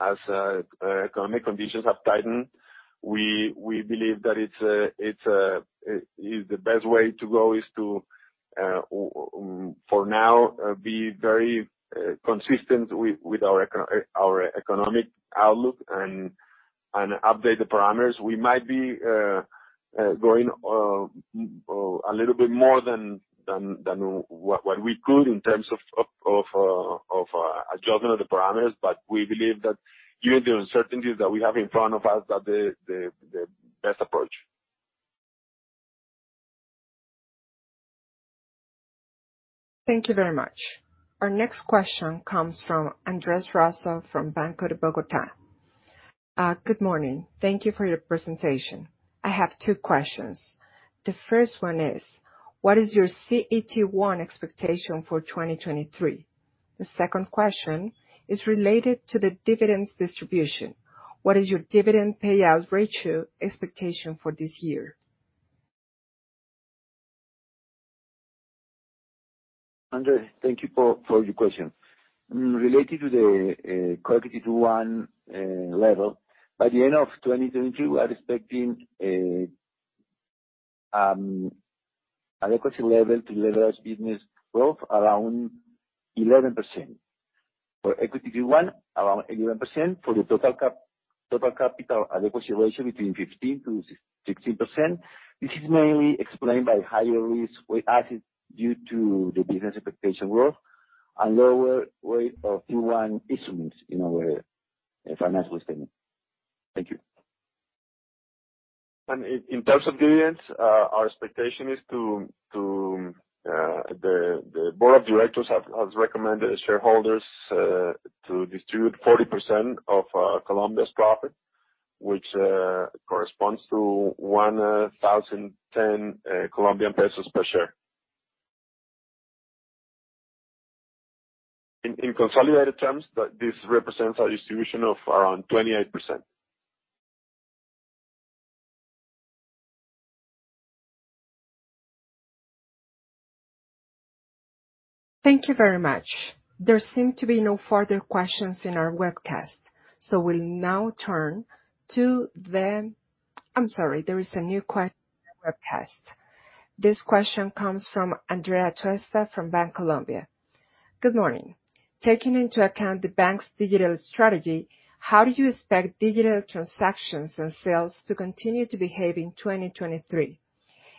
B: as economic conditions have tightened. We believe that it is the best way to go, is to for now be very consistent with our economic outlook and update the parameters. We might be going a little bit more than what we could in terms of adjustment of the parameters. We believe that given the uncertainties that we have in front of us, that the best approach.
A: Thank you very much. Our next question comes from Andrés Rosso from Banco de Bogotá. Good morning. Thank you for your presentation. I have two questions. The first one is, what is your CET1 expectation for 2023? The second question is related to the dividends distribution. What is your dividend payout ratio expectation for this year?
C: Andrea, thank you for your question. Related to the CET1 level, by the end of 2022, we are expecting an equity level to leverage business growth around 11%. For equity Tier 1, around 11%. For the total capital adequacy ratio, between 15%-16%. This is mainly explained by higher risk with assets due to the business expectation growth and lower weight of Tier 1 instruments in our financial statement. Thank you.
B: In terms of dividends, the board of directors has recommended shareholders to distribute 40% of Colombia's profit, which corresponds to 1,010 Colombian pesos per share. In consolidated terms, this represents a distribution of around 28%.
A: Thank you very much. There seem to be no further questions in our webcast, so we'll now turn to the I'm sorry, there is a new webcast. This question comes from Andrea Tuesta from Bancolombia. Good morning. Taking into account the bank's digital strategy, how do you expect digital transactions and sales to continue to behave in 2023?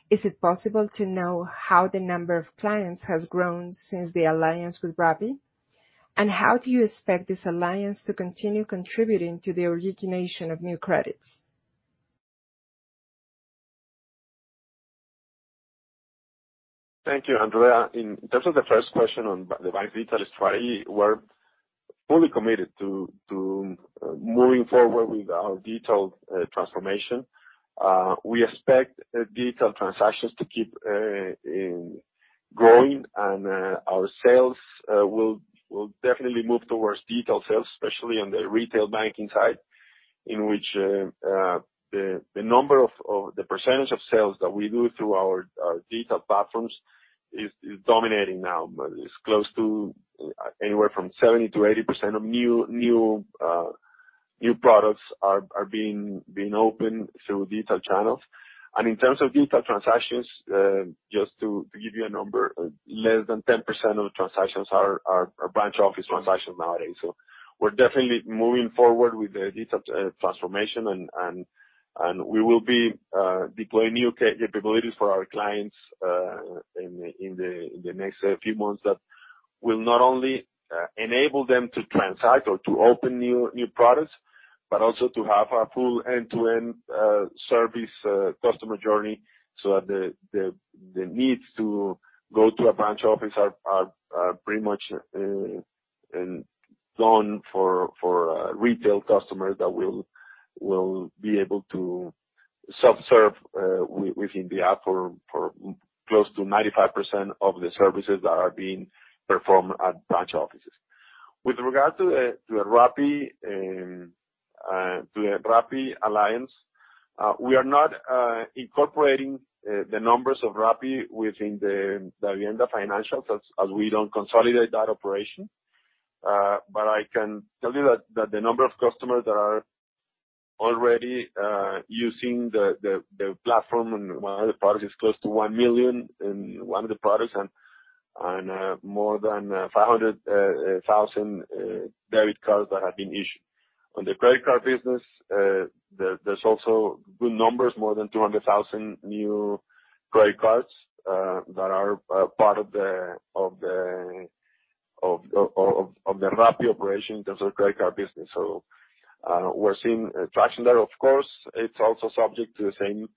A: Is it possible to know how the number of clients has grown since the alliance with Rappi? How do you expect this alliance to continue contributing to the origination of new credits?
B: Thank you, Andrea. In terms of the first question on the bank's digital strategy, we're fully committed to moving forward with our digital transformation. We expect digital transactions to keep growing and our sales will definitely move towards digital sales, especially on the retail banking side, in which the percentage of sales that we do through our digital platforms is dominating now. It's close to anywhere from 70% to 80% of new products are being opened through digital channels. In terms of digital transactions, just to give you a number, less than 10% of transactions are branch office transactions nowadays. We're definitely moving forward with the digital transformation and we will be deploying new capabilities for our clients in the next few months that will not only enable them to transact or to open new products, but also to have a full end-to-end service customer journey, so that the needs to go to a branch office are pretty much gone for retail customers that will be able to self-serve within the app for close to 95% of the services that are being performed at branch offices. With regard to the Rappi alliance, we are not incorporating the numbers of Rappi within the Davivienda financials as we don't consolidate that operation. I can tell you that the number of customers that are already using the platform and one of the products is close to 1 million in one of the products and more than 500,000 debit cards that have been issued. On the credit card business, there's also good numbers, more than 200,000 new credit cards that are part of the Rappi operation in terms of credit card business. We're seeing traction there. Of course, it's also subject to the same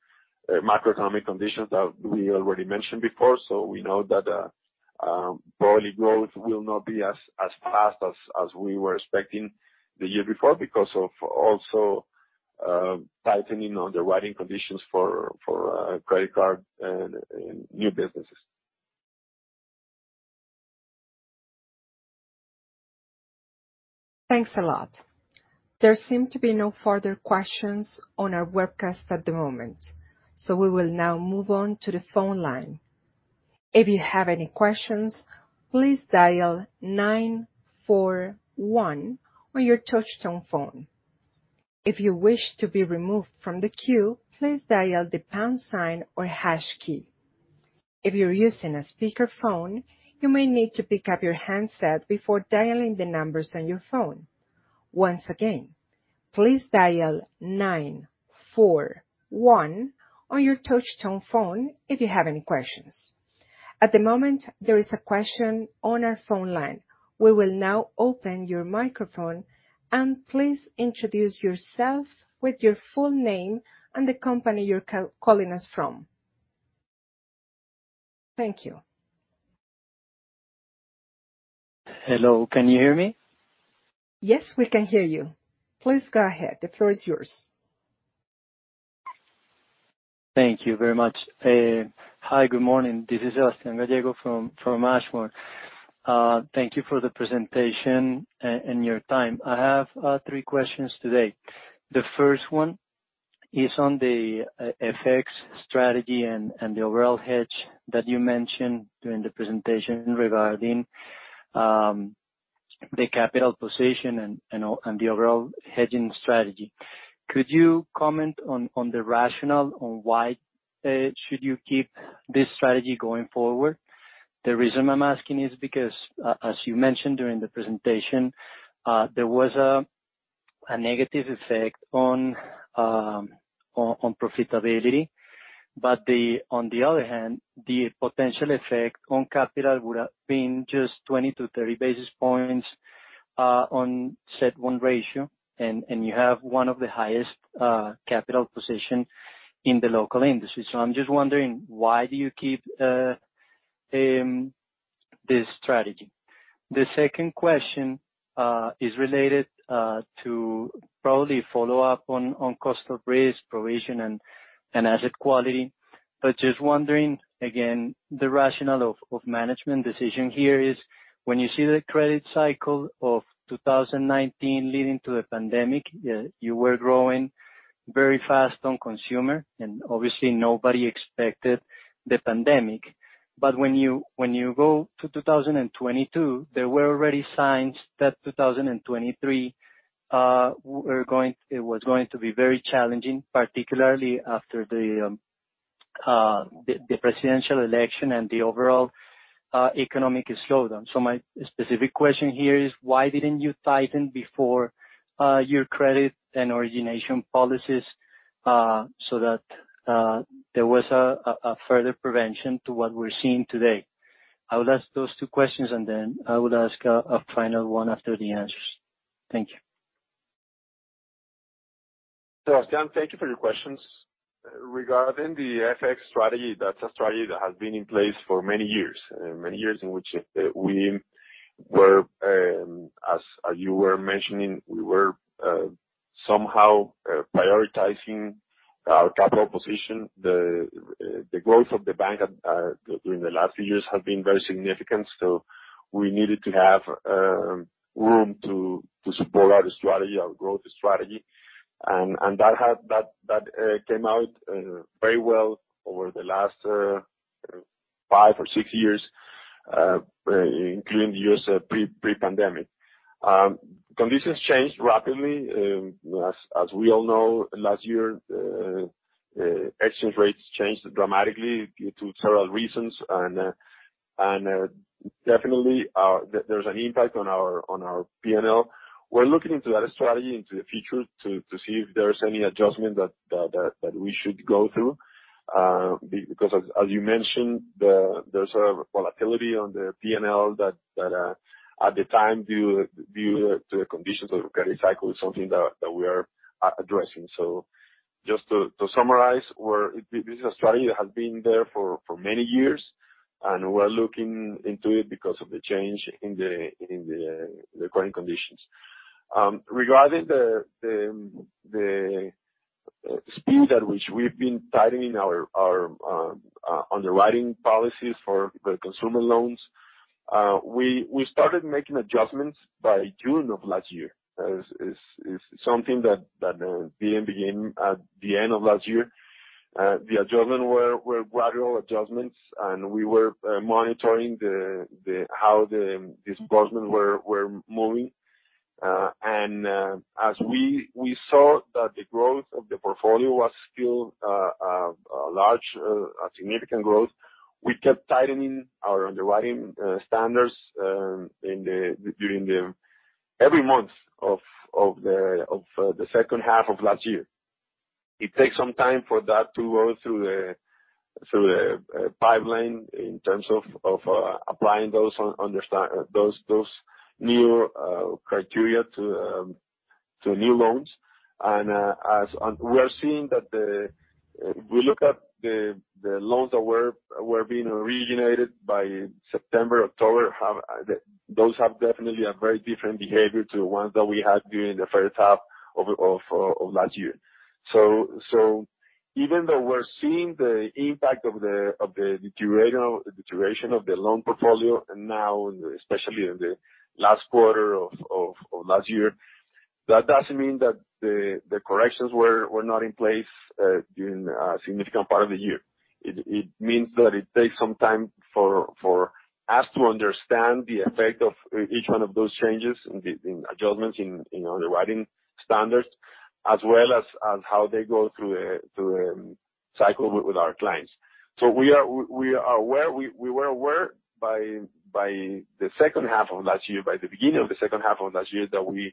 B: macroeconomic conditions that we already mentioned before. We know that, probably growth will not be as fast as we were expecting the year before because of also tightening underwriting conditions for credit card and new businesses.
A: Thanks a lot. There seem to be no further questions on our webcast at the moment, so we will now move on to the phone line. If you have any questions, please dial 941 on your touchtone phone. If you wish to be removed from the queue, please dial the pound sign or hash key. If you're using a speakerphone, you may need to pick up your handset before dialing the numbers on your phone. Once again, please dial 941 on your touchtone phone if you have any questions. At the moment, there is a question on our phone line. We will now open your microphone, and please introduce yourself with your full name and the company you're calling us from. Thank you.
D: Hello. Can you hear me?
A: Yes, we can hear you. Please go ahead. The floor is yours.
D: Thank you very much. Hi, good morning. This is Sebastian Gallego from Ashmore. Thank you for the presentation and your time. I have three questions today. The first one is on the FX strategy and the overall hedge that you mentioned during the presentation regarding the capital position and the overall hedging strategy. Could you comment on the rationale on why should you keep this strategy going forward? The reason I'm asking is because as you mentioned during the presentation, there was a negative effect on profitability. On the other hand, the potential effect on capital would have been just 20-30 basis points on CET1 ratio. And you have one of the highest capital position in the local industry. I'm just wondering why do you keep this strategy. The second question is related to probably follow up on cost of risk provision and asset quality. Just wondering, again, the rationale of management decision here is when you see the credit cycle of 2019 leading to the pandemic, you were growing very fast on consumer, and obviously nobody expected the pandemic. When you go to 2022, there were already signs that 2023 it was going to be very challenging, particularly after the presidential election and the overall economic slowdown. My specific question here is why didn't you tighten before your credit and origination policies so that there was a further prevention to what we're seeing today? I would ask those two questions, and then I would ask a final one after the answers. Thank you.
B: Sebastian, thank you for your questions. Regarding the FX strategy, that's a strategy that has been in place for many years, many years in which we were, as you were mentioning, we were, somehow, prioritizing our capital position. The growth of the bank at during the last few years has been very significant, so we needed to have room to support our strategy, our growth strategy. That had, that came out very well over the last five or six years, including the years pre-pandemic. Conditions changed rapidly. As, as we all know, last year, exchange rates changed dramatically due to several reasons. Definitely there's an impact on our P&L. We're looking into that strategy into the future to see if there's any adjustment that we should go through. Because as you mentioned, there's a volatility on the P&L that at the time due to the conditions of credit cycle is something that we are addressing. Just to summarize, we're. This strategy has been there for many years, and we're looking into it because of the change in the current conditions. Regarding the speed at which we've been tightening our underwriting policies for the consumer loans, we started making adjustments by June of last year. It's something that beginning at the end of last year. The adjustment were gradual adjustments, and we were monitoring the... how the disbursement were moving. As we saw that the growth of the portfolio was still a large, a significant growth, we kept tightening our underwriting standards, during the every month of the second half of last year. It takes some time for that to go through the pipeline in terms of applying those new criteria to new loans. As we are seeing that the... If we look at the loans that were being originated by September, October have. Those have definitely a very different behavior to the ones that we had during the first half of last year. Even though we're seeing the impact of the duration of the loan portfolio, and now especially in the last quarter of last year, that doesn't mean that the corrections were not in place during a significant part of the year. It means that it takes some time for us to understand the effect of each one of those changes in adjustments, in underwriting standards, as well as how they go through a cycle with our clients. We are aware, we were aware by the second half of last year, by the beginning of the second half of last year, that we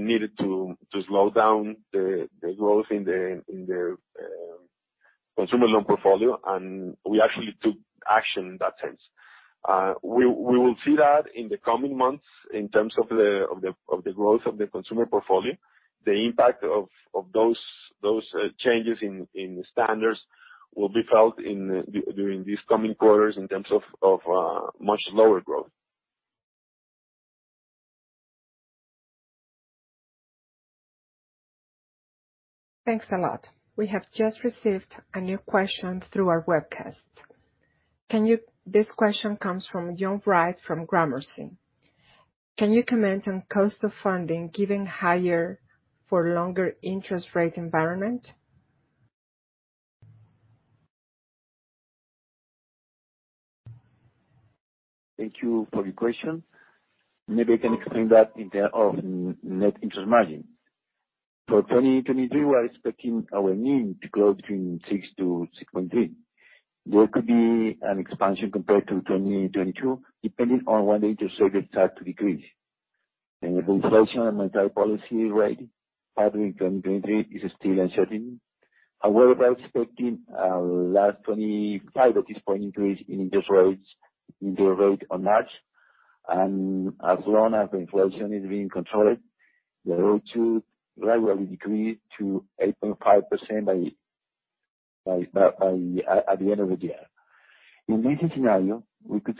B: needed to slow down in the consumer loan portfolio, and we actually took action in that sense. We will see that in the coming months in terms of the growth of the consumer portfolio. The impact of those changes in standards will be felt in during these coming quarters in terms of much lower growth.
A: Thanks a lot. We have just received a new question through our webcast. This question comes from John Wright from Gramercy. Can you comment on cost of funding given higher for longer interest rate environment?
C: Thank you for your question. Maybe I can explain that in term of net interest margin. For 2023, we are expecting our NIM to grow between 6%-6.3%. There could be an expansion compared to 2022, depending on when the interest rates start to decrease. The inflation and monetary policy rate pathway in 2023 is still uncertain. However, we are expecting last 25 at this point increase in interest rates, in the rate on March. As long as inflation is being controlled, the road to gradually decrease to 8.5% by at the end of the year. In this scenario, we could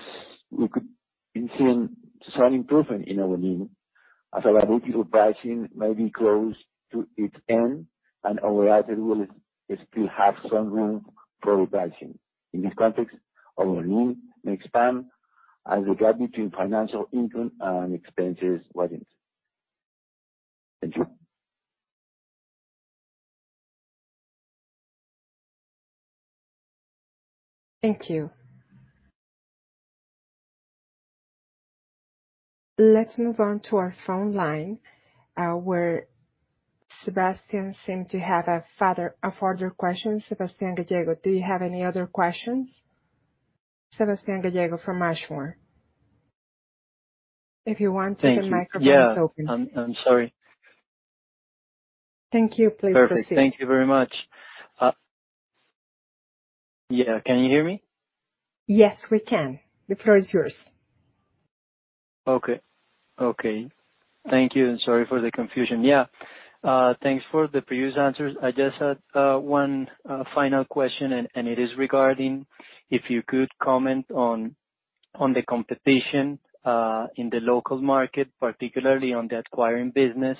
C: been seeing some improvement in our NIM as our multiple pricing may be close to its end and our rates will still have some room for repricing. In this context, our NIM may expand as the gap between financial income and expenses widens. Thank you.
A: Thank you. Let's move on to our phone line, where Sebastian seemed to have a further question. Sebastian Gallego, do you have any other questions? Sebastian Gallego from Ashmore.
D: Thank you.
A: The microphone is open.
D: Yeah. I'm sorry.
A: Thank you. Please proceed.
D: Perfect. Thank you very much. Can you hear me?
A: Yes, we can. The floor is yours.
D: Okay. Okay. Thank you, and sorry for the confusion. Yeah. Thanks for the previous answers. I just had 1 final question, and it is regarding if you could comment on the competition in the local market, particularly on the acquiring business,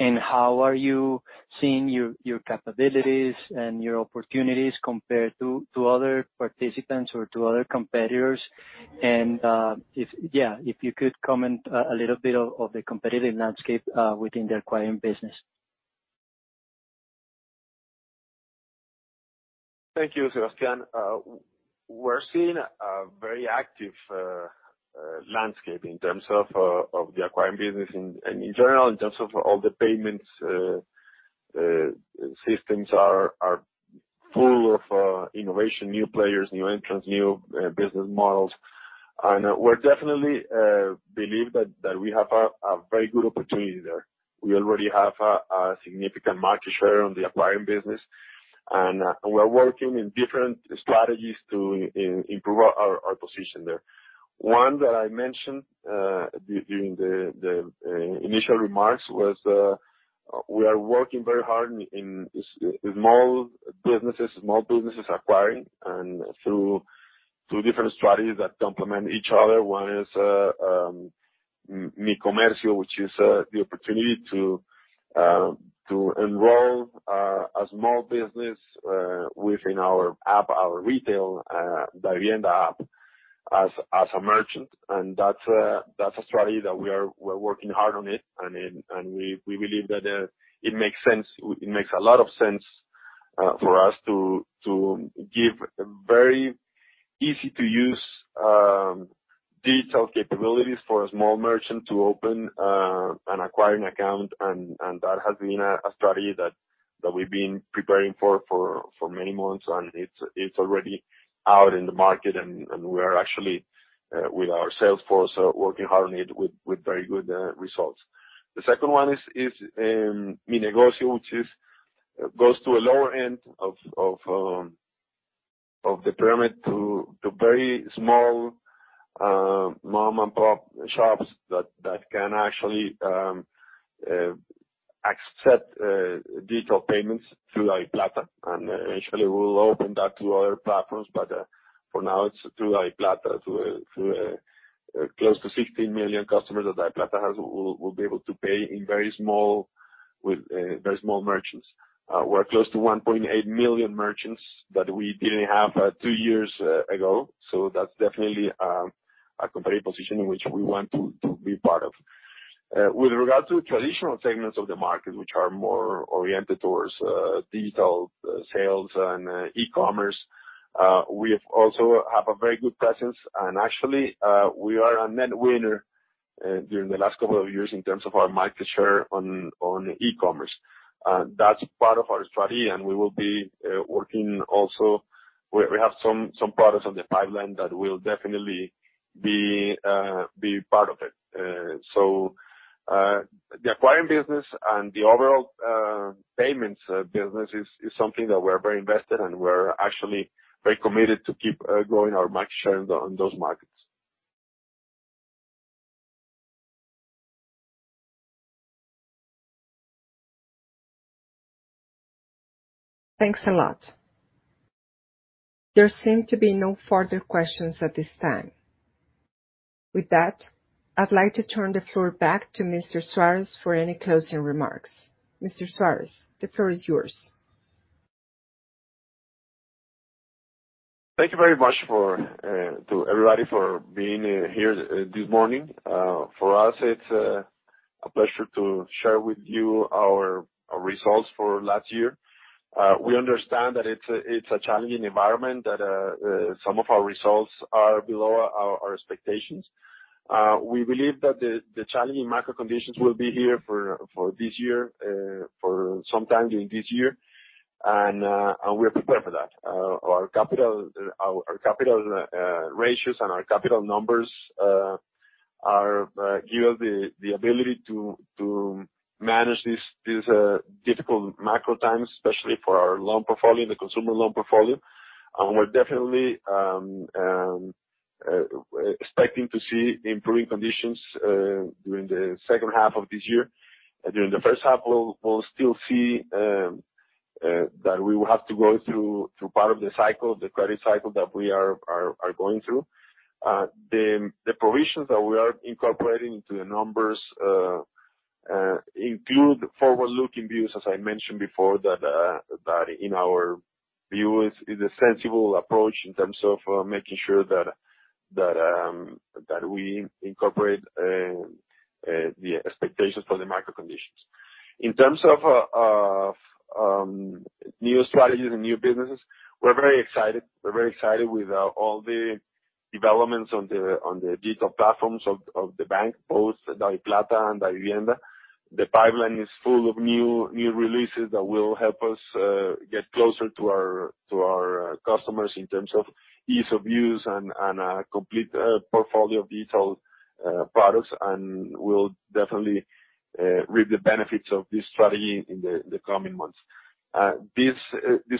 D: and how are you seeing your capabilities and your opportunities compare to other participants or to other competitors? Yeah, if you could comment a little bit of the competitive landscape within the acquiring business.
B: Thank you, Sebastian. We're seeing a very active landscape in terms of the acquiring business in general, in terms of all the payments systems are full of innovation, new players, new entrants, new business models. We're definitely believe that we have a very good opportunity there. We already have a significant market share on the acquiring business, and we're working in different strategies to improve our position there. One that I mentioned during the initial remarks was, we are working very hard in small businesses, small businesses acquiring and through different strategies that complement each other. One is Mi Comercio, which is the opportunity to enroll a small business within our app, our retail Davivienda App as a merchant. That's a strategy that we're working hard on it. We believe that it makes sense, it makes a lot of sense for us to give very easy to use digital capabilities for a small merchant to open an acquiring account. That has been a strategy that we've been preparing for many months. It's already out in the market and we are actually with our sales force working hard on it with very good results. The second one is Mi Negocio, which goes to a lower end of the pyramid to very small mom-and-pop shops that can actually accept digital payments through DaviPlata. Eventually we'll open that to other platforms, but for now it's through DaviPlata, through close to 16 million customers that DaviPlata has will be able to pay in very small with very small merchants. We're close to 1.8 million merchants that we didn't have two years ago. That's definitely a competitive position in which we want to be part of. With regard to traditional segments of the market, which are more oriented towards digital sales and e-commerce, we also have a very good presence. Actually, we are a net winner during the last couple of years in terms of our market share on e-commerce. That's part of our strategy, and we will be working also. We have some products on the pipeline that will definitely be part of it. The acquiring business and the overall payments business is something that we're very invested and we're actually very committed to keep growing our market share on those markets.
A: Thanks a lot. There seem to be no further questions at this time. With that, I'd like to turn the floor back to Mr. Suárez for any closing remarks. Mr. Suárez, the floor is yours.
B: Thank you very much for to everybody for being here this morning. For us, it's a pleasure to share with you our results for last year. We understand that it's a challenging environment, that some of our results are below our expectations. We believe that the challenging macro conditions will be here for this year, for some time during this year, and we're prepared for that. Our capital ratios and our capital numbers are give us the ability to manage these difficult macro times, especially for our loan portfolio, the consumer loan portfolio. We're definitely expecting to see improving conditions during the second half of this year. During the first half, we'll still see that we will have to go through part of the cycle, the credit cycle that we are going through. The, the provisions that we are incorporating into the numbers include forward-looking views, as I mentioned before, that in our view is a sensible approach in terms of making sure that, that we incorporate the expectations for the macro conditions. In terms of of new strategies and new businesses, we're very excited. We're very excited with all the developments on the, on the digital platforms of the bank, both DaviPlata and Davivienda. The pipeline is full of new releases that will help us get closer to our customers in terms of ease of use and a complete portfolio of digital products. We'll definitely reap the benefits of this strategy in the coming months. This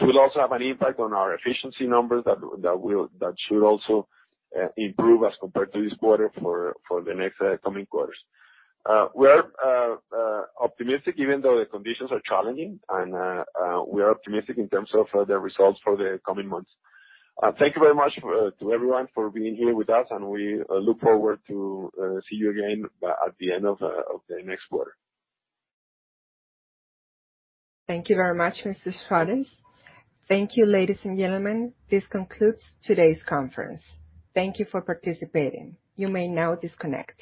B: will also have an impact on our efficiency numbers that should also improve as compared to this quarter for the next coming quarters. We are optimistic even though the conditions are challenging and we are optimistic in terms of the results for the coming months. Thank you very much to everyone for being here with us, and we look forward to see you again at the end of the next quarter.
A: Thank you very much, Mr. Suarez. Thank you, ladies and gentlemen. This concludes today's conference. Thank you for participating. You may now disconnect.